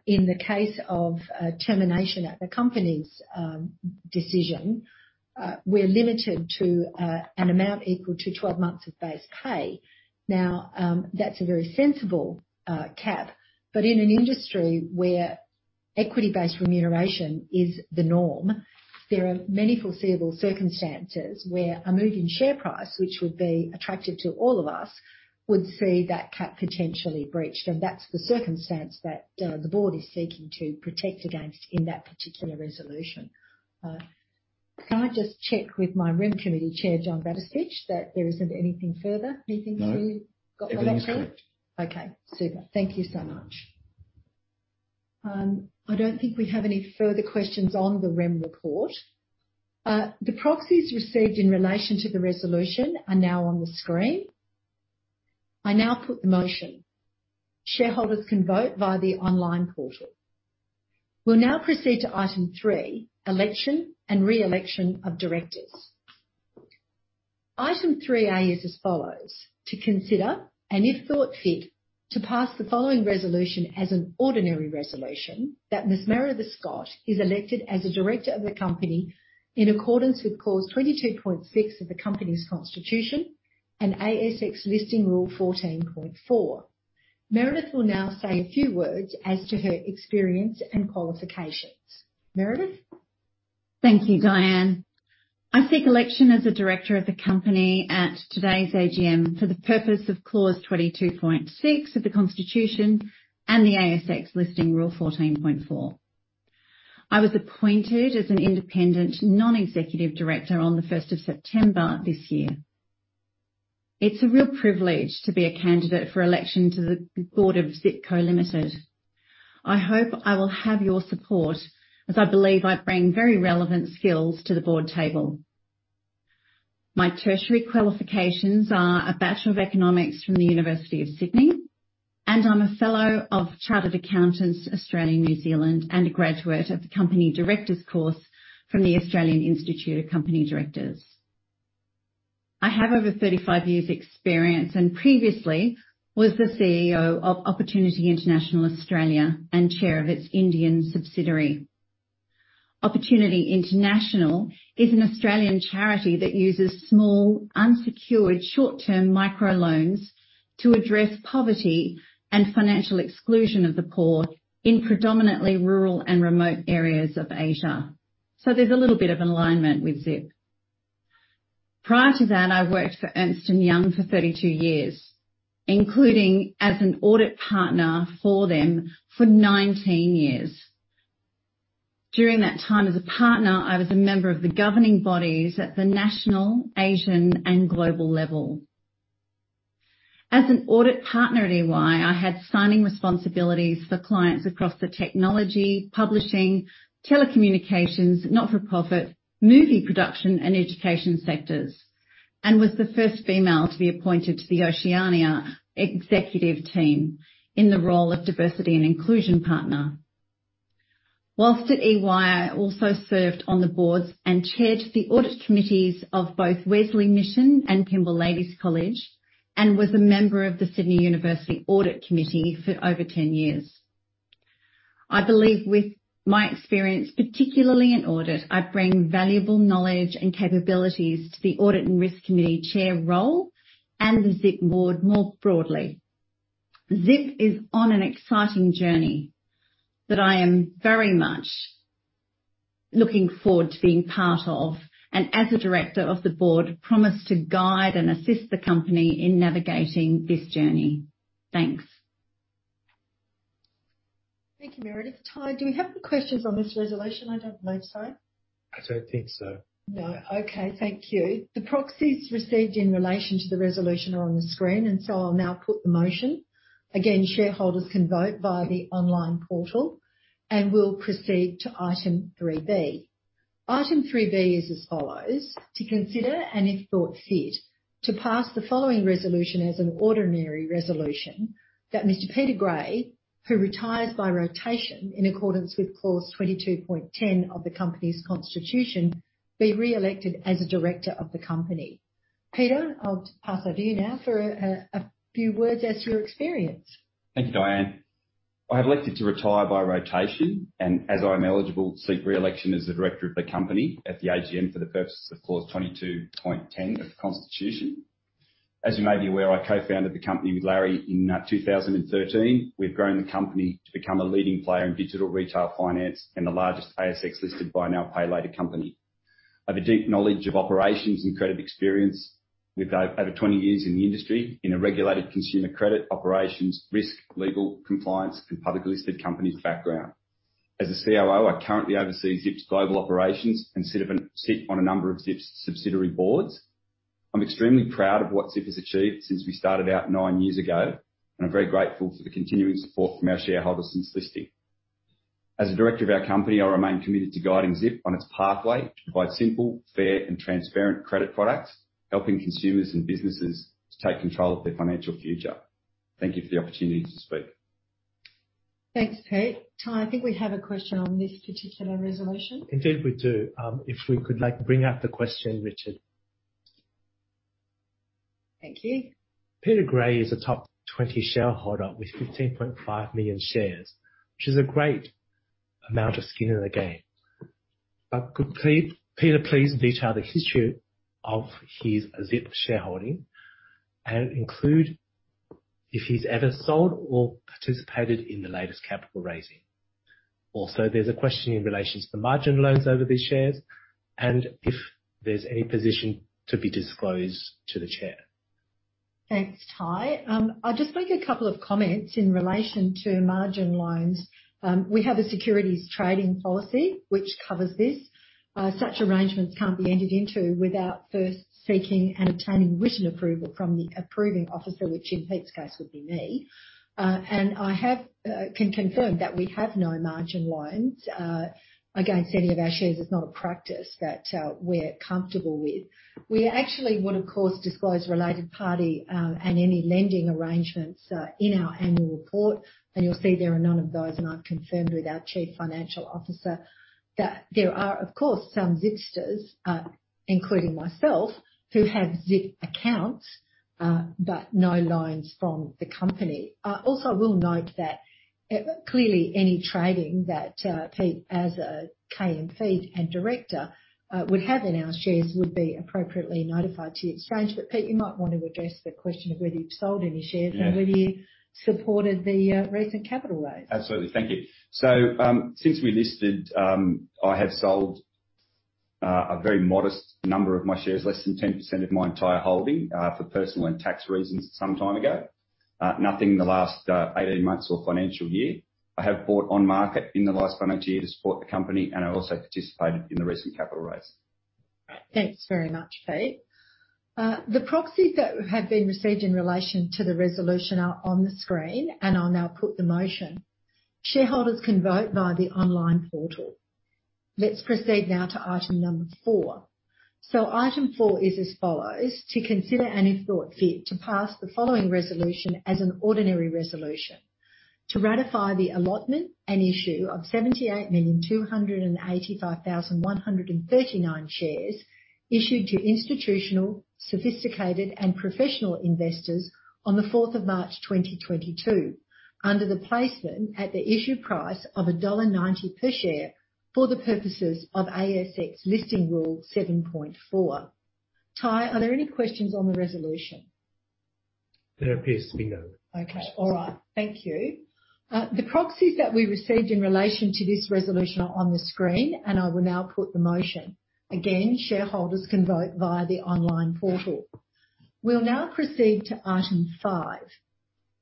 in the case of a termination at the company's decision, we're limited to an amount equal to 12 months of base pay. Now, that's a very sensible cap, but in an industry where equity-based remuneration is the norm, there are many foreseeable circumstances where a move in share price, which would be attractive to all of us, would see that cap potentially breached. That's the circumstance that the board is seeking to protect against in that particular resolution. Can I just check with my Rem committee chair, John Batistich, that there isn't anything further he thinks we- No. Got from that chair. Everything's good. Okay. Super. Thank you so much. I don't think we have any further questions on the remuneration report. The proxies received in relation to the resolution are now on the screen. I now put the motion. Shareholders can vote via the online portal. We'll now proceed to item three, election and re-election of directors. Item 3(a) is as follows: To consider, and if thought fit, to pass the following resolution as an ordinary resolution, that Ms. Meredith Scott is elected as a director of the company in accordance with clause 22.6 of the company's constitution and ASX Listing Rule 14.4. Meredith will now say a few words as to her experience and qualifications. Meredith? Thank you, Diane. I seek election as a director of the company at today's AGM for the purpose of Clause 22.6 of the Constitution and the ASX Listing Rule 14.4. I was appointed as an independent non-executive director on September 1st this year. It's a real privilege to be a candidate for election to the board of Zip Co Limited. I hope I will have your support as I believe I bring very relevant skills to the board table. My tertiary qualifications are a Bachelor of Economics from The University of Sydney, and I'm a Fellow of Chartered Accountants Australia and New Zealand and a graduate of the Company Directors course from the Australian Institute of Company Directors. I have over 35 years experience and previously was the CEO of Opportunity International Australia and chair of its Indian subsidiary. Opportunity International is an Australian charity that uses small, unsecured short-term microloans to address poverty and financial exclusion of the poor in predominantly rural and remote areas of Asia. There's a little bit of an alignment with Zip. Prior to that, I worked for Ernst & Young for 32 years, including as an audit partner for them for 19 years. During that time as a partner, I was a member of the governing bodies at the national, Asian, and global level. As an audit partner at EY, I had signing responsibilities for clients across the technology, publishing, telecommunications, not-for-profit, movie production, and education sectors. Was the first female to be appointed to the Oceania executive team in the role of diversity and inclusion partner. While at EY, I also served on the boards and chaired the audit committees of both Wesley Mission and Pymble Ladies' College and was a member of the University of Sydney Audit Committee for over 10 years. I believe with my experience, particularly in audit, I bring valuable knowledge and capabilities to the Audit and Risk Committee chair role and the Zip board more broadly. Zip is on an exciting journey that I am very much looking forward to being part of, and as a director of the board, promise to guide and assist the company in navigating this journey. Thanks. Thank you, Meredith. Tai, do you have any questions on this resolution? I don't believe so. I don't think so. No. Okay. Thank you. The proxies received in relation to the resolution are on the screen. I'll now put the motion. Again, shareholders can vote via the online portal. We'll proceed to item 3(b). Item 3(b) is as follows: To consider, and if thought fit, to pass the following resolution as an ordinary resolution that Mr. Peter Gray, who retires by rotation in accordance with clause 22.10 of the company's constitution, be reelected as a director of the company. Peter, I'll pass over to you now for a few words as to your experience. Thank you, Diane. I have elected to retire by rotation and as I'm eligible to seek reelection as the director of the company at the AGM for the purposes of clause 22.10 of the constitution. As you may be aware, I co-founded the company with Larry in 2013. We've grown the company to become a leading player in digital retail finance and the largest ASX-listed buy now, pay later company. I have a deep knowledge of operations and credit experience with over 20 years in the industry in a regulated consumer credit operations risk, legal compliance, and publicly listed companies background. As a COO, I currently oversee Zip's global operations and sit on a number of Zip's subsidiary boards. I'm extremely proud of what Zip has achieved since we started out nine years ago, and I'm very grateful for the continuing support from our shareholders since listing. As a director of our company, I remain committed to guiding Zip on its pathway to provide simple, fair and transparent credit products, helping consumers and businesses to take control of their financial future. Thank you for the opportunity to speak. Thanks, Peter. Tai, I think we have a question on this particular resolution. Indeed, we do. If we could like, bring up the question, Richard. Thank you. Peter Gray is a top 20 shareholder with 15.5 million shares, which is a great amount of skin in the game. Could Peter please detail the history of his Zip shareholding and include if he's ever sold or participated in the latest capital raising? Also, there's a question in relation to the margin loans over these shares and if there's any position to be disclosed to the chair. Thanks, Tai. I'll just make a couple of comments in relation to margin loans. We have a securities trading policy which covers this. Such arrangements can't be entered into without first seeking and obtaining written approval from the approving officer, which in Pete's case would be me. I can confirm that we have no margin loans against any of our shares. It's not a practice that we're comfortable with. We actually would, of course, disclose related party and any lending arrangements in our annual report. You'll see there are none of those, and I've confirmed with our chief financial officer that there are, of course, some Zipsters, including myself, who have Zip accounts, but no loans from the company. I also will note that, clearly any trading that, Pete, as a key employee and director, would have in our shares would be appropriately notified to the exchange. Pete, you might want to address the question of whether you've sold any shares- Yeah. whether you supported the recent capital raise. Absolutely. Thank you. Since we listed, I have sold a very modest number of my shares, less than 10% of my entire holding, for personal and tax reasons some time ago. Nothing in the last 18 months or financial year. I have bought on market in the last financial year to support the company, and I also participated in the recent capital raise. Thanks very much, Pete. The proxies that have been received in relation to the resolution are on the screen, and I'll now put the motion. Shareholders can vote via the online portal. Let's proceed now to item number four. Item four is as follows. To consider, and if thought fit, to pass the following resolution as an ordinary resolution. To ratify the allotment and issue of 78,285,139 shares issued to institutional, sophisticated and professional investors on March 4th 2022 under the placement at the issue price of dollar 1.90 per share for the purposes of ASX Listing Rule 7.4. Tai, are there any questions on the resolution? There appears to be no. Okay. All right. Thank you. The proxies that we received in relation to this resolution are on the screen, and I will now put the motion. Again, shareholders can vote via the online portal. We'll now proceed to item 5(a).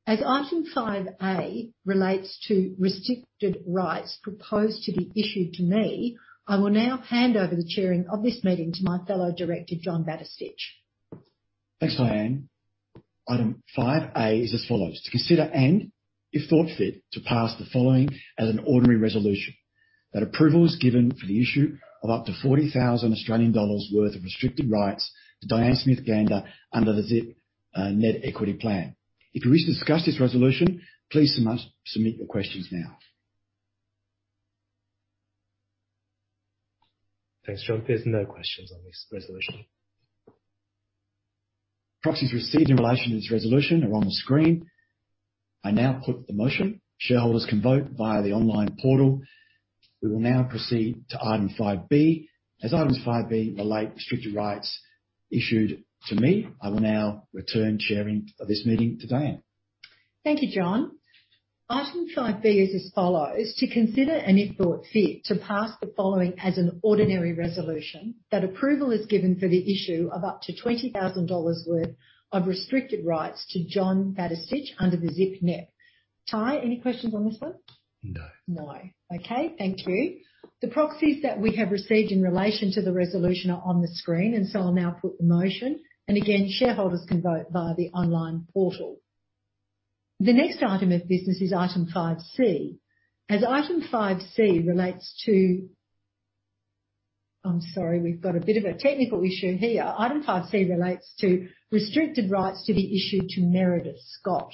As item 5(a) relates to restricted rights proposed to be issued to me, I will now hand over the chairing of this meeting to my fellow director, John Batistich. Thanks, Diane. Item 5(a) is as follows. To consider and if thought fit, to pass the following as an ordinary resolution that approval is given for the issue of up to 40,000 Australian dollars worth of restricted rights to Diane Smith-Gander under the ZIPNEP equity plan. If you wish to discuss this resolution, please submit your questions now. Thanks, John. There's no questions on this resolution. Proxies received in relation to this resolution are on the screen. I now put the motion. Shareholders can vote via the online portal. We will now proceed to item 5(b). As items 5(b) relate restricted rights issued to me, I will now return chairing of this meeting to Diane Smith-Gander. Thank you, John. Item five B is as follows. To consider and if thought fit, to pass the following as an ordinary resolution that approval is given for the issue of up to 20,000 dollars worth of restricted rights to John Batistich under the ZIPNEP. Tai, any questions on this one? No. No. Okay. Thank you. The proxies that we have received in relation to the resolution are on the screen. I'll now put the motion. Again, shareholders can vote via the online portal. The next item of business is item 5(c). I'm sorry, we've got a bit of a technical issue here. Item five C relates to restricted rights to be issued to Meredith Scott.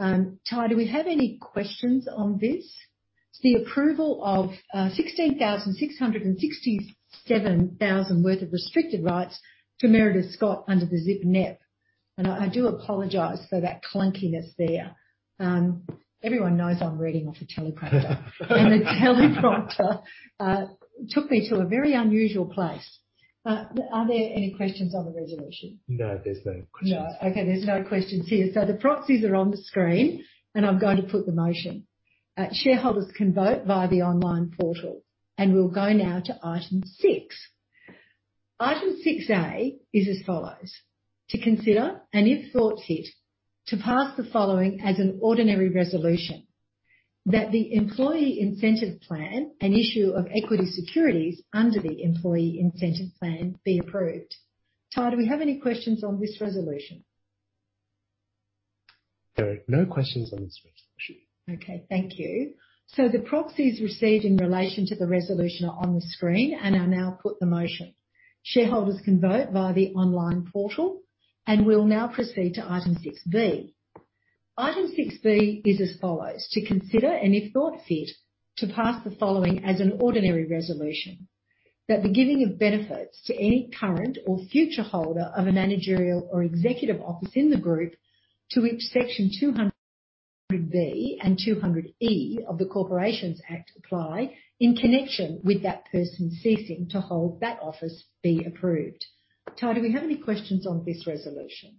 Tai, do we have any questions on this? It's the approval of 16,667 worth of restricted rights to Meredith Scott under the ZIPNEP. I do apologize for that clunkiness there. Everyone knows I'm reading off a teleprompter. The teleprompter took me to a very unusual place. Are there any questions on the resolution? No, there's no questions. No. Okay, there's no questions here. The proxies are on the screen, and I'm going to put the motion. Shareholders can vote via the online portal. We'll go now to item 6(a). Item 6(a) is as follows. To consider, and if thought fit, to pass the following as an ordinary resolution that the employee incentive plan and issue of equity securities under the employee incentive plan be approved. Tai, do we have any questions on this resolution? There are no questions on this resolution. Okay. Thank you. The proxies received in relation to the resolution are on the screen. I now put the motion. Shareholders can vote via the online portal. We'll now proceed to item 6(b). Item 6(b) is as follows. To consider, and if thought fit, to pass the following as an ordinary resolution that the giving of benefits to any current or future holder of a managerial or executive office in the group to which Section 200B and 200E of the Corporations Act apply in connection with that person ceasing to hold that office be approved. Tai, do we have any questions on this resolution?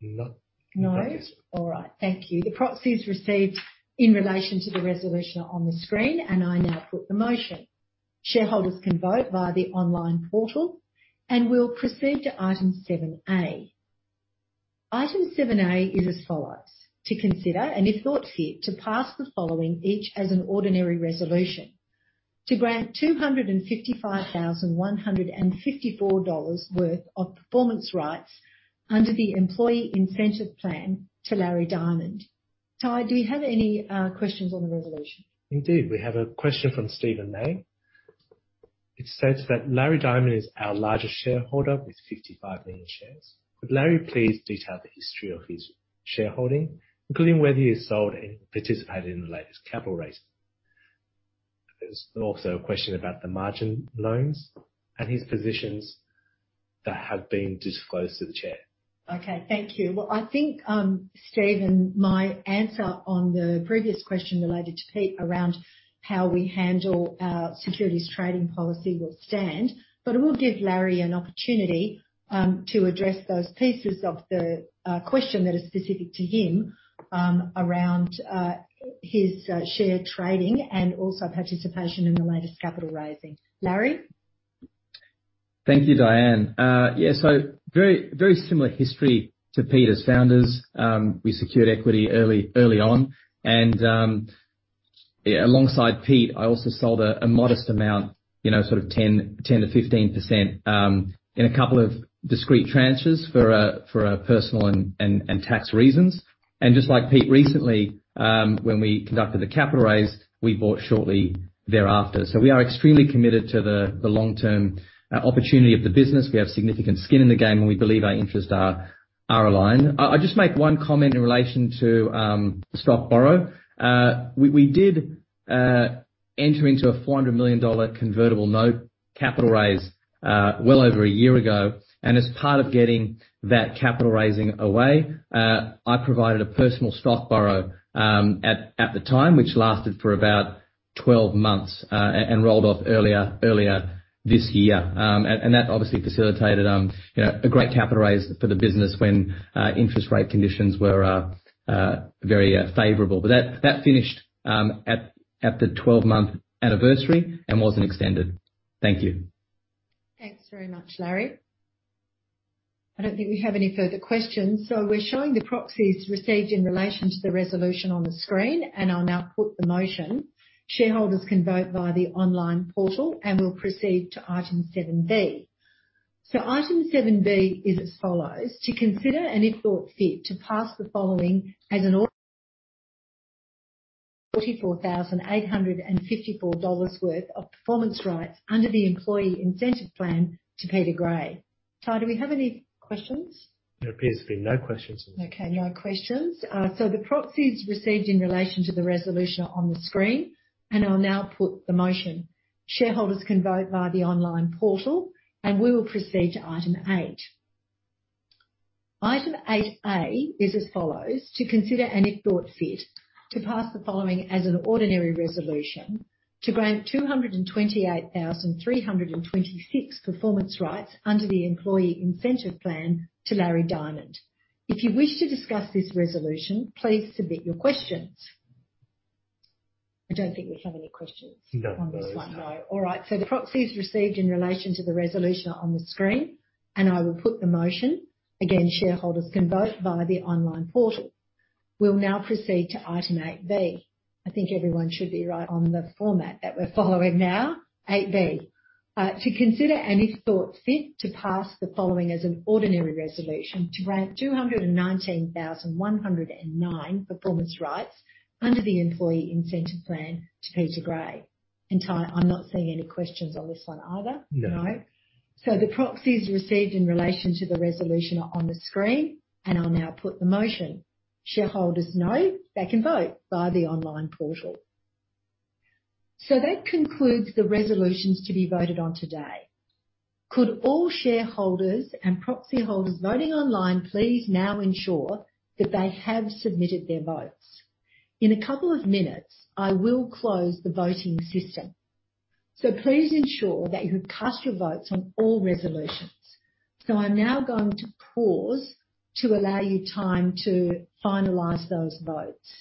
No. No. Not yet. All right. Thank you. The proxies received in relation to the resolution are on the screen, and I now put the motion. Shareholders can vote via the online portal. We'll proceed to Item 7(a). Item 7(a) is as follows. To consider, and if thought fit, to pass the following, each as an ordinary resolution. To grant 255,154 dollars worth of performance rights under the employee incentive plan to Larry Diamond. Tai, do you have any questions on the resolution? Indeed. We have a question from Stephen Mayne. It states that Larry Diamond is our largest shareholder with 55 million shares. Could Larry please detail the history of his shareholding, including whether he has sold and participated in the latest capital raise? There's also a question about the margin loans and his positions that have been disclosed to the chair. Okay. Thank you. Well, I think, Stephen, my answer on the previous question related to Pete around how we handle our securities trading policy will stand. It will give Larry an opportunity to address those pieces of the question that are specific to him around his share trading and also participation in the latest capital raising. Larry? Thank you, Diane. Yeah, so very similar history to Pete as founders. We secured equity early on and, yeah, alongside Pete, I also sold a modest amount, you know, sort of 10%-15%, in a couple of discrete tranches for personal and tax reasons. Just like Pete recently, when we conducted the capital raise, we bought shortly thereafter. We are extremely committed to the long-term opportunity of the business. We have significant skin in the game, and we believe our interests are aligned. I'll just make one comment in relation to stock borrow. We did enter into a 400 million dollar convertible note capital raise, well over a year ago. As part of getting that capital raising away, I provided a personal stock borrow, at the time, which lasted for about 12 months, and rolled off earlier this year. That obviously facilitated, you know, a great capital raise for the business when interest rate conditions were very favorable. That finished at the 12-month anniversary and wasn't extended. Thank you. Thanks very much, Larry. I don't think we have any further questions. We're showing the proxies received in relation to the resolution on the screen, and I'll now put the motion. Shareholders can vote via the online portal, and we'll proceed to item7(b). Item 7(b) is as follows: To consider, and if thought fit, to pass the following 44,854 dollars worth of performance rights under the employee incentive plan to Peter Gray. Tai, do we have any questions? There appears to be no questions. Okay, no questions. The proxies received in relation to the resolution are on the screen, and I'll now put the motion. Shareholders can vote via the online portal, and we will proceed to item 8. Item 8(a) is as follows: To consider, and if thought fit, to pass the following as an ordinary resolution to grant 228,326 performance rights under the employee incentive plan to Larry Diamond. If you wish to discuss this resolution, please submit your questions. I don't think we have any questions. No, no. On this one. No. All right. The proxies received in relation to the resolution are on the screen, and I will put the motion. Again, shareholders can vote via the online portal. We'll now proceed to item 8(b). I think everyone should be right on the format that we're following now. 8(b), to consider, and if thought fit, to pass the following as an ordinary resolution to grant 219,109 performance rights under the employee incentive plan to Peter Gray. Tai, I'm not seeing any questions on this one either. No. No. The proxies received in relation to the resolution are on the screen, and I'll now put the motion. Shareholders know they can vote via the online portal. That concludes the resolutions to be voted on today. Could all shareholders and proxy holders voting online please now ensure that they have submitted their votes. In a couple of minutes, I will close the voting system. Please ensure that you have cast your votes on all resolutions. I'm now going to pause to allow you time to finalize those votes.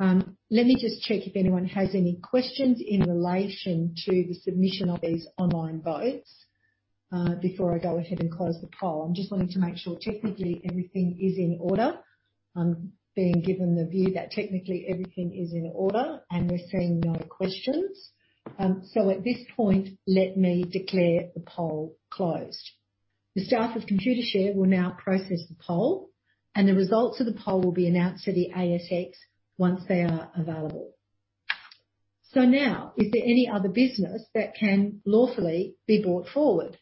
Let me just check if anyone has any questions in relation to the submission of these online votes, before I go ahead and close the poll. I'm just wanting to make sure technically everything is in order. I'm being given the view that technically everything is in order and we're seeing no questions. At this point, let me declare the poll closed. The staff of Computershare will now process the poll, and the results of the poll will be announced to the ASX once they are available. Now, is there any other business that can lawfully be brought forward?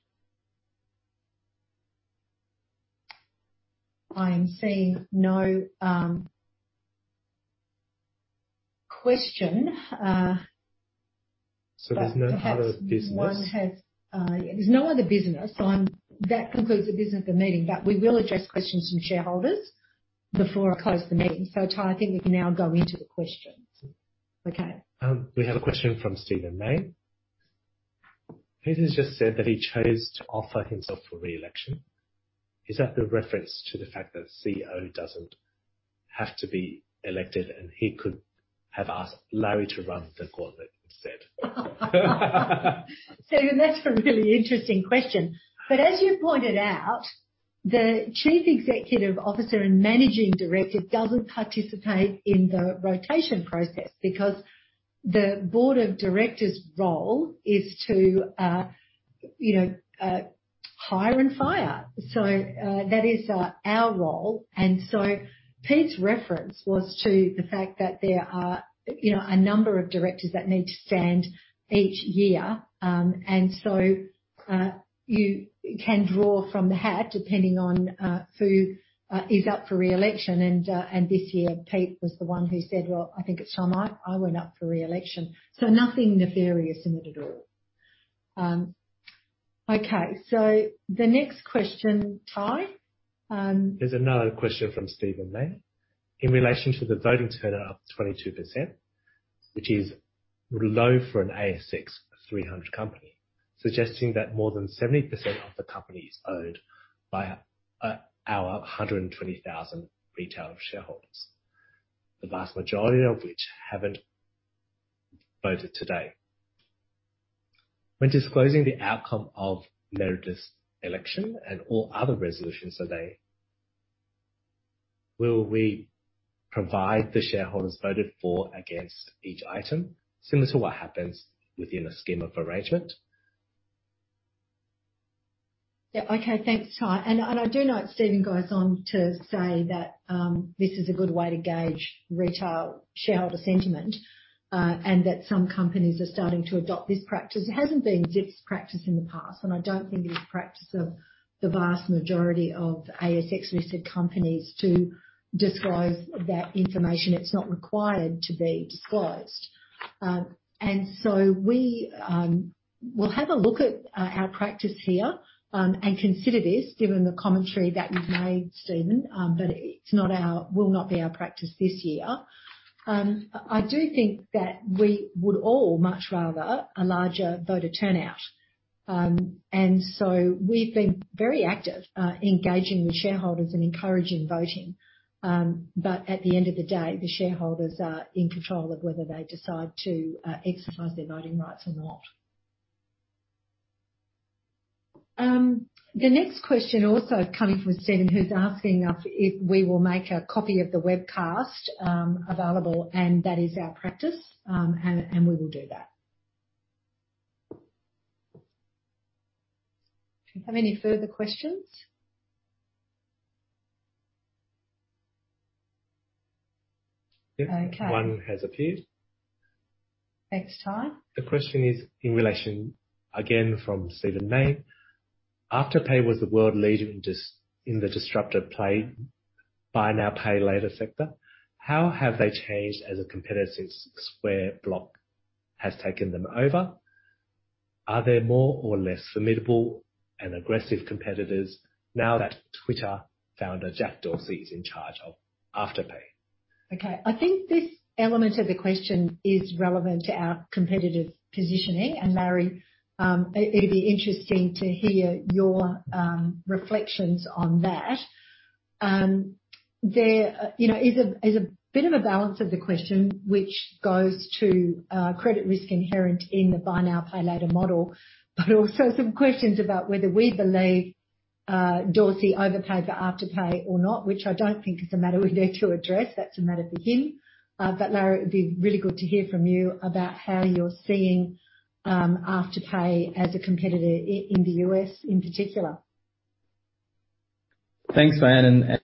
I am seeing no question. There's no other business. There's no other business. That concludes the business of the meeting. We will address questions from shareholders before I close the meeting. Tai, I think we can now go into the questions. Sure. Okay. We have a question from Stephen Mayne. Peter's just said that he chose to offer himself for re-election. Is that the reference to the fact that CEO doesn't have to be elected, and he could have asked Larry to run for the board instead? Stephen, that's a really interesting question. As you pointed out, the chief executive officer and managing director doesn't participate in the rotation process because the board of directors' role is to, you know, hire and fire. That is our role. Pete's reference was to the fact that there are, you know, a number of directors that need to stand each year. You can draw from the hat depending on who is up for re-election. This year, Pete was the one who said, "Well, I think it's time I went up for re-election." Nothing nefarious in it at all. The next question, Tai. There's another question from Stephen Mayne. In relation to the voting turnout of 22%, which is low for an ASX 300 company, suggesting that more than 70% of the company is owned by our 120,000 retail shareholders, the vast majority of which haven't voted today. When disclosing the outcome of Meredith's election and all other resolutions today, will we provide the for and against votes for each item, similar to what happens within a scheme of arrangement? Yeah. Okay. Thanks, Tai. I do know Stephen goes on to say that this is a good way to gauge retail shareholder sentiment, and that some companies are starting to adopt this practice. It hasn't been Zip's practice in the past, and I don't think it is practice of the vast majority of ASX-listed companies to disclose that information. It's not required to be disclosed. We'll have a look at our practice here, and consider this given the commentary that you've made, Stephen, but it will not be our practice this year. I do think that we would all much rather a larger voter turnout. We've been very active, engaging with shareholders and encouraging voting. At the end of the day, the shareholders are in control of whether they decide to exercise their voting rights or not. The next question also coming from Stephen, who's asking us if we will make a copy of the webcast available, and that is our practice, and we will do that. Do you have any further questions? Yeah. Okay. One has appeared. Thanks, Tai. The question is in relation, again, from Stephen Mayne. Afterpay was the world leader in the disruptive play buy now, pay later sector. How have they changed as a competitor since Block has taken them over? Are they more or less formidable and aggressive competitors now that Twitter founder Jack Dorsey is in charge of Afterpay? Okay. I think this element of the question is relevant to our competitive positioning. Larry, it'd be interesting to hear your reflections on that. There you know is a bit of a balance of the question which goes to credit risk inherent in the buy now, pay later model. Also some questions about whether we believe Dorsey overpaid for Afterpay or not, which I don't think is a matter we need to address. That's a matter for him. Larry, it'd be really good to hear from you about how you're seeing Afterpay as a competitor in the U.S. in particular. Thanks, Diane.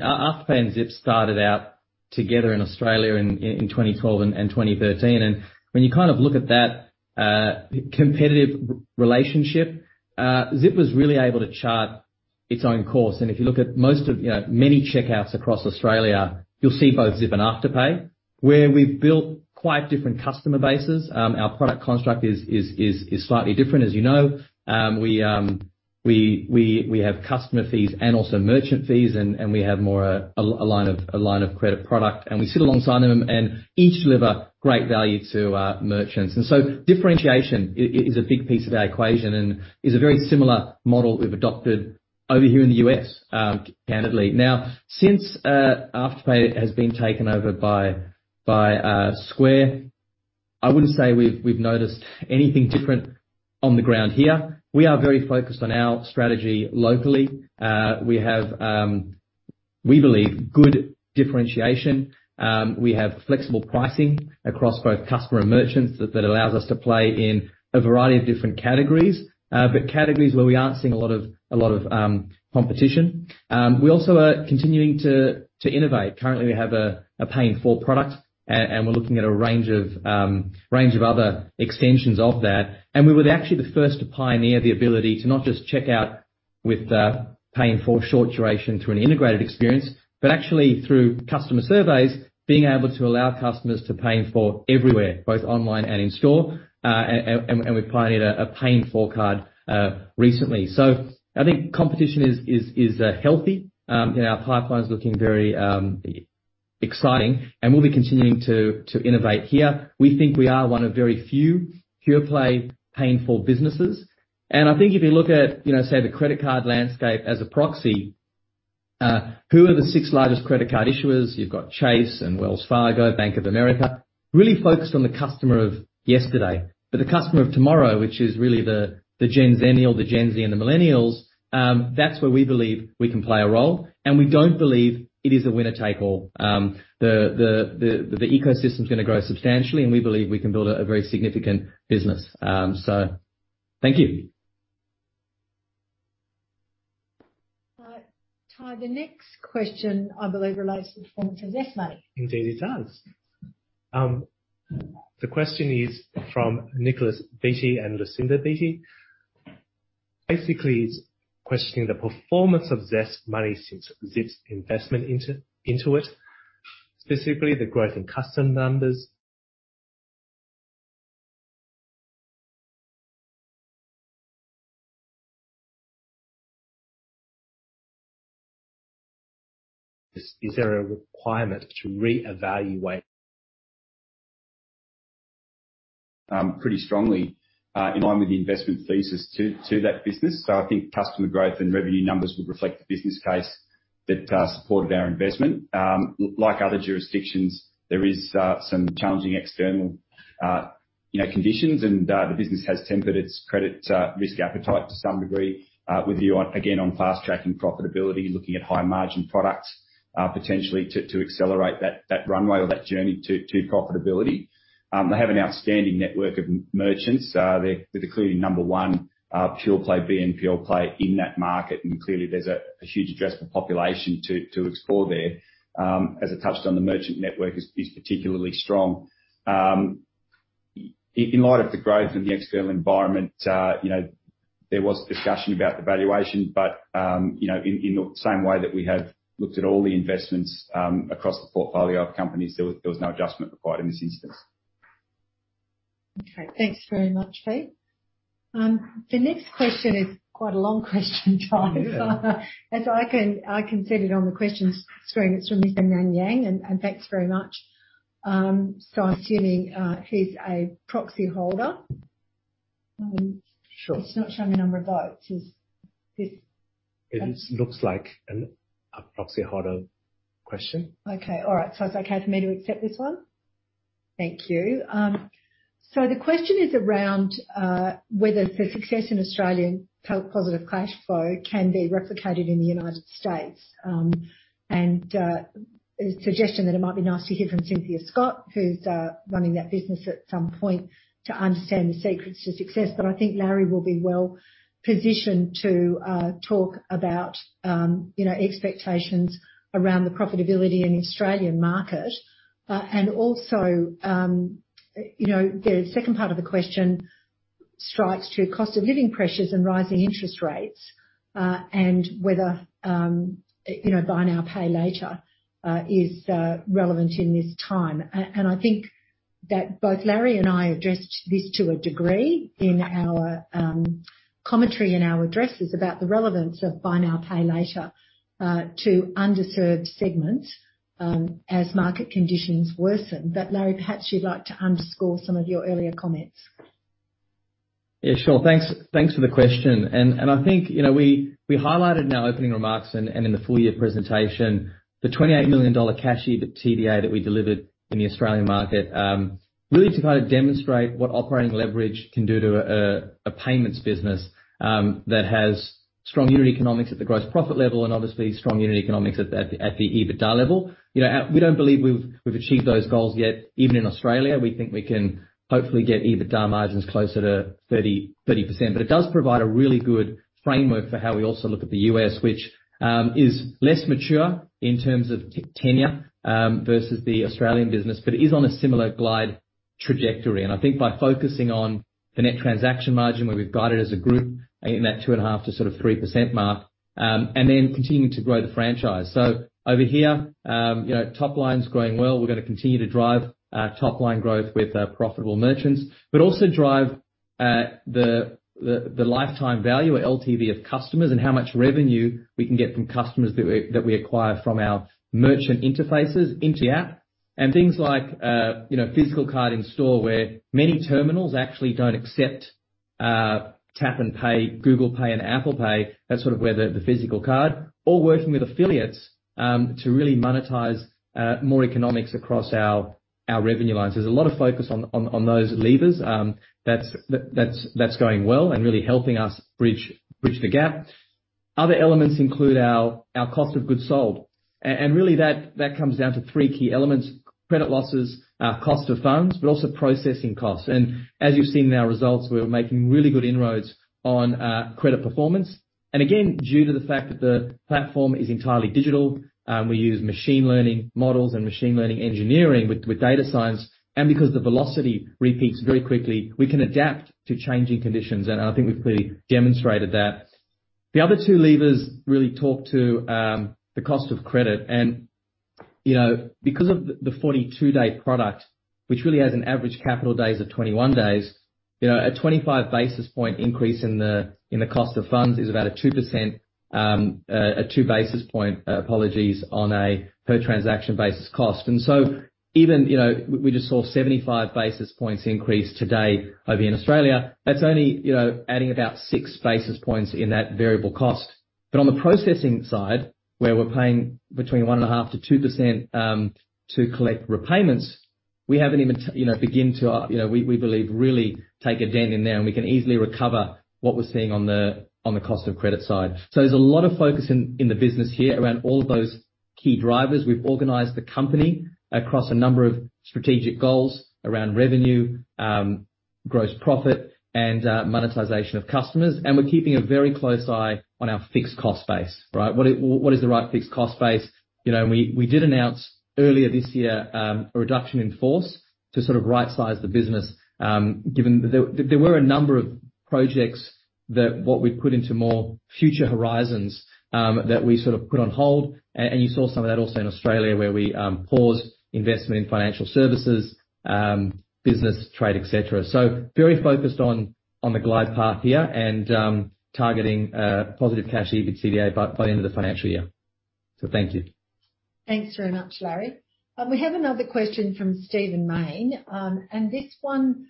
Afterpay and Zip started out together in Australia in 2012 and 2013. When you kind of look at that competitive relationship, Zip was really able to chart its own course. If you look at most of, you know, many checkouts across Australia, you'll see both Zip and Afterpay, where we've built quite different customer bases. Our product construct is slightly different, as you know. We have customer fees and also merchant fees, and we have more a line of credit product, and we sit alongside them and each deliver great value to our merchants. Differentiation is a big piece of our equation and is a very similar model we've adopted over here in the U.S., candidly. Now, since Afterpay has been taken over by Square, I wouldn't say we've noticed anything different on the ground here. We are very focused on our strategy locally. We have, we believe, good differentiation. We have flexible pricing across both customers and merchants that allows us to play in a variety of different categories, but categories where we aren't seeing a lot of competition. We also are continuing to innovate. Currently, we have a Pay in 4 product, and we're looking at a range of other extensions of that. We were actually the first to pioneer the ability to not just check out with pay in four short duration through an integrated experience, but actually through customer surveys, being able to allow customers to pay in four everywhere, both online and in store. We pioneered a pay in four card recently. I think competition is healthy. Our pipeline is looking very exciting, and we'll be continuing to innovate here. We think we are one of very few pure play pay in four businesses. I think if you look at, you know, say, the credit card landscape as a proxy, who are the six largest credit card issuers? You've got Chase and Wells Fargo, Bank of America, really focused on the customer of yesterday. The customer of tomorrow, which is really the GenZennial, the Gen Z and the Millennials, that's where we believe we can play a role, and we don't believe it is a winner take all. The ecosystem is gonna grow substantially, and we believe we can build a very significant business. Thank you. Tai, the next question, I believe, relates to the performance of ZestMoney. Indeed, it does. The question is from Nicholas Beatty and Lucinda Beatty. Basically, it's questioning the performance of ZestMoney since Zip's investment into it, specifically the growth in customer numbers. Is there a requirement to reevaluate? Pretty strongly in line with the investment thesis to that business. I think customer growth and revenue numbers would reflect the business case that supported our investment. Like other jurisdictions, there is some challenging external, you know, conditions. The business has tempered its credit risk appetite to some degree, with a view on, again, on fast-tracking profitability, looking at high margin products, potentially to accelerate that runway or that journey to profitability. They have an outstanding network of merchants. They're clearly number one pure play BNPL play in that market. Clearly there's a huge addressable population to explore there. As I touched on, the merchant network is particularly strong. In light of the growth and the external environment, you know, there was discussion about the valuation, but you know, in the same way that we have looked at all the investments across the portfolio of companies, there was no adjustment required in this instance. Okay, thanks very much, Pete. The next question is quite a long question, Charlie. Oh, yeah. I can see it on the questions screen. It's from Mr. Nan Yang, and thanks very much. I'm assuming he's a proxy holder. Sure. It's not showing the number of votes. Is this? It looks like a proxy holder question. Okay. All right. It's okay for me to accept this one? Thank you. The question is around whether the success in Australian positive cash flow can be replicated in the United States. A suggestion that it might be nice to hear from Cynthia Scott, who's running that business at some point to understand the secrets to success. But I think Larry will be well-positioned to talk about, you know, expectations around the profitability in the Australian market. Also, you know, the second part of the question speaks to cost of living pressures and rising interest rates, and whether, you know, buy now, pay later is relevant in this time. I think that both Larry and I addressed this to a degree in our commentary, in our addresses about the relevance of buy now, pay later to underserved segments as market conditions worsen. Larry, perhaps you'd like to underscore some of your earlier comments. Yeah, sure. Thanks for the question. I think, you know, we highlighted in our opening remarks and in the full year presentation the 28 million dollar cash EBITDA that we delivered in the Australian market, really to kind of demonstrate what operating leverage can do to a payments business, that has strong unit economics at the gross profit level and obviously strong unit economics at the EBITDA level. You know, we don't believe we've achieved those goals yet. Even in Australia, we think we can hopefully get EBITDA margins closer to 30%. It does provide a really good framework for how we also look at the U.S., which is less mature in terms of tenure versus the Australian business, but is on a similar glide trajectory. I think by focusing on the net transaction margin where we've got it as a group in that 2.5%-3% mark, and then continuing to grow the franchise. Over here, you know, top line's growing well. We're gonna continue to drive top line growth with profitable merchants, but also drive the lifetime value or LTV of customers and how much revenue we can get from customers that we acquire from our merchant interfaces into the app. Things like, you know, physical card in store where many terminals actually don't accept tap and pay, Google Pay and Apple Pay. That's sort of where the physical card or working with affiliates to really monetize more economics across our revenue lines. There's a lot of focus on those levers. That's going well and really helping us bridge the gap. Other elements include our cost of goods sold. Really that comes down to three key elements, credit losses, cost of funds, but also processing costs. As you've seen in our results, we're making really good inroads on credit performance. Again, due to the fact that the platform is entirely digital, we use machine learning models and machine learning engineering with data science. Because the velocity repeats very quickly, we can adapt to changing conditions. I think we've clearly demonstrated that. The other two levers really talk to the cost of credit. You know, because of the 42-day product, which really has an average capital days of 21 days, you know, a 25 basis points increase in the cost of funds is about a 2 basis points, apologies, on a per transaction basis cost. Even, you know, we just saw 75 basis points increase today over in Australia. That's only, you know, adding about 6 basis points in that variable cost. But on the processing side, where we're paying between 1.5%-2% to collect repayments, we haven't even, you know, begun to, you know, we believe really take a dent in there. We can easily recover what we're seeing on the cost of credit side. There's a lot of focus in the business here around all of those key drivers. We've organized the company across a number of strategic goals around revenue, gross profit and monetization of customers. We're keeping a very close eye on our fixed cost base, right? What is the right fixed cost base? You know, we did announce earlier this year a reduction in force to sort of right-size the business. There were a number of projects that we put into more future horizons that we sort of put on hold. You saw some of that also in Australia where we paused investment in financial services business, trade, et cetera. Very focused on the glide path here and targeting positive cash EBITDA by the end of the financial year. Thank you. Thanks very much, Larry. We have another question from Stephen Mayne. This one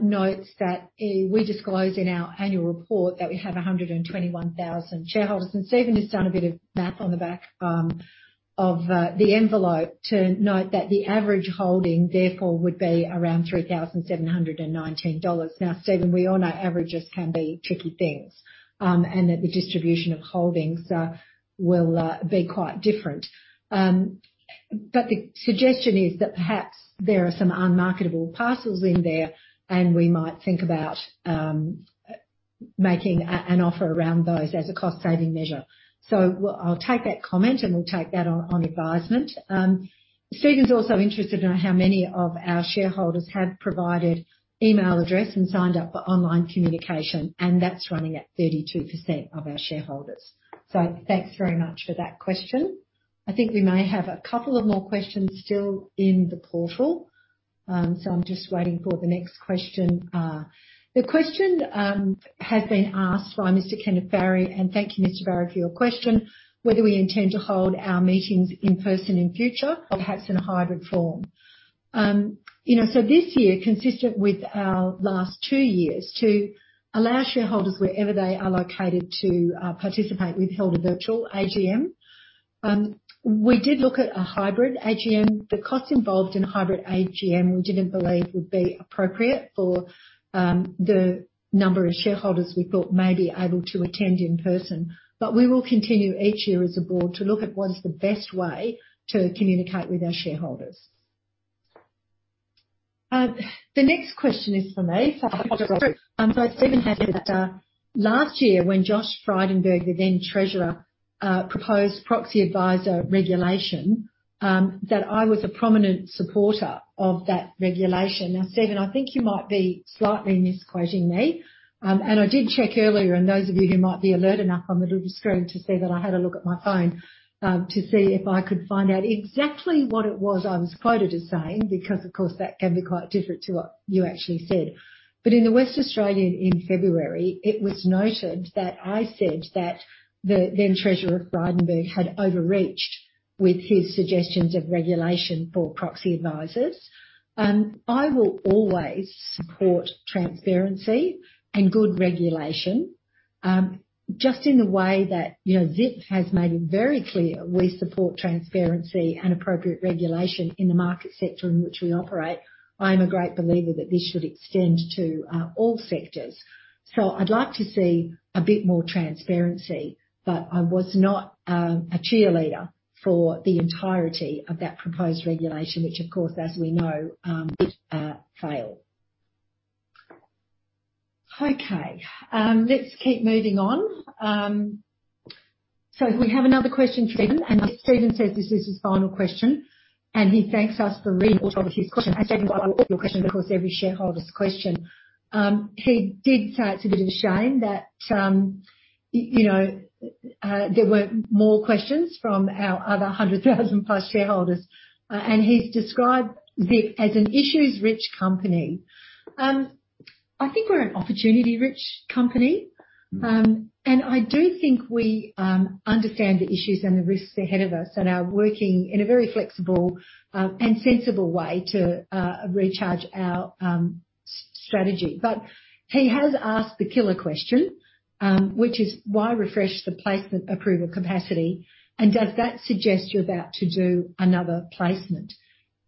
notes that we disclose in our annual report that we have 121,000 shareholders. Stephen has done a bit of math on the back of the envelope to note that the average holding, therefore, would be around 3,719 dollars. Now, Stephen, we all know averages can be tricky things, and that the distribution of holdings will be quite different. But the suggestion is that perhaps there are some unmarketable parcels in there, and we might think about making an offer around those as a cost-saving measure. I'll take that comment, and we'll take that on advisement. Stephen's also interested in how many of our shareholders have provided email address and signed up for online communication, and that's running at 32% of our shareholders. Thanks very much for that question. I think we may have a couple of more questions still in the portal. I'm just waiting for the next question. The question has been asked by Mr. Kenneth Barry, and thank you, Mr. Barry, for your question, whether we intend to hold our meetings in person in future or perhaps in a hybrid form. You know, this year, consistent with our last two years, to allow shareholders wherever they are located to participate, we've held a virtual AGM. We did look at a hybrid AGM. The cost involved in a hybrid AGM we didn't believe would be appropriate for the number of shareholders we thought may be able to attend in person. We will continue each year as a board to look at what is the best way to communicate with our shareholders. The next question is from me. Stephen Mayne had last year, when Josh Frydenberg, the then Treasurer, proposed proxy advisor regulation, that I was a prominent supporter of that regulation. Now, Stephen Mayne, I think you might be slightly misquoting me. I did check earlier, and those of you who might be alert enough on the little screen to see that I had a look at my phone, to see if I could find out exactly what it was I was quoted as saying because, of course, that can be quite different to what you actually said. In The West Australian in February, it was noted that I said that the then Treasurer Frydenberg had overreached with his suggestions of regulation for proxy advisors. I will always support transparency and good regulation. Just in the way that, you know, Zip has made it very clear we support transparency and appropriate regulation in the market sector in which we operate. I'm a great believer that this should extend to all sectors. I'd like to see a bit more transparency, but I was not a cheerleader for the entirety of that proposed regulation, which of course, as we know, failed. Okay, let's keep moving on. We have another question, Stephen Mayne. Stephen Mayne says this is his final question, and he thanks us for reading all of his questions. Stephen Mayne, I welcome your question because every shareholder's a question. He did say it's a bit of a shame that you know there weren't more questions from our other 100,000+ shareholders. He's described Zip as an issues-rich company. I think we're an opportunity-rich company. I do think we understand the issues and the risks ahead of us and are working in a very flexible and sensible way to recharge our strategy. He has asked the killer question, which is why refresh the placement approval capacity and does that suggest you're about to do another placement?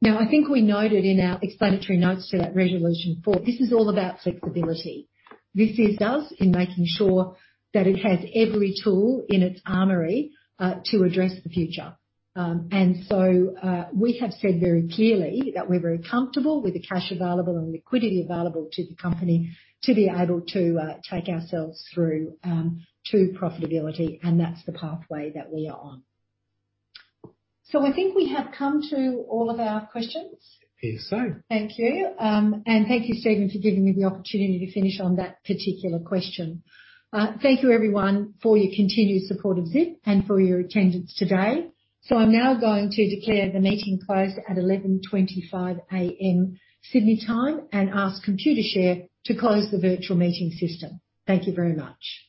Now, I think we noted in our explanatory notes to that Resolution Four, this is all about flexibility. This is us in making sure that it has every tool in its armory to address the future. We have said very clearly that we're very comfortable with the cash available and liquidity available to the company to be able to take ourselves through to profitability, and that's the pathway that we are on. I think we have come to all of our questions. It appears so. Thank you. Thank you, Stephen, for giving me the opportunity to finish on that particular question. Thank you everyone for your continued support of Zip and for your attendance today. I'm now going to declare the meeting closed at 11:25A.M. Sydney time and ask Computershare to close the virtual meeting system. Thank you very much.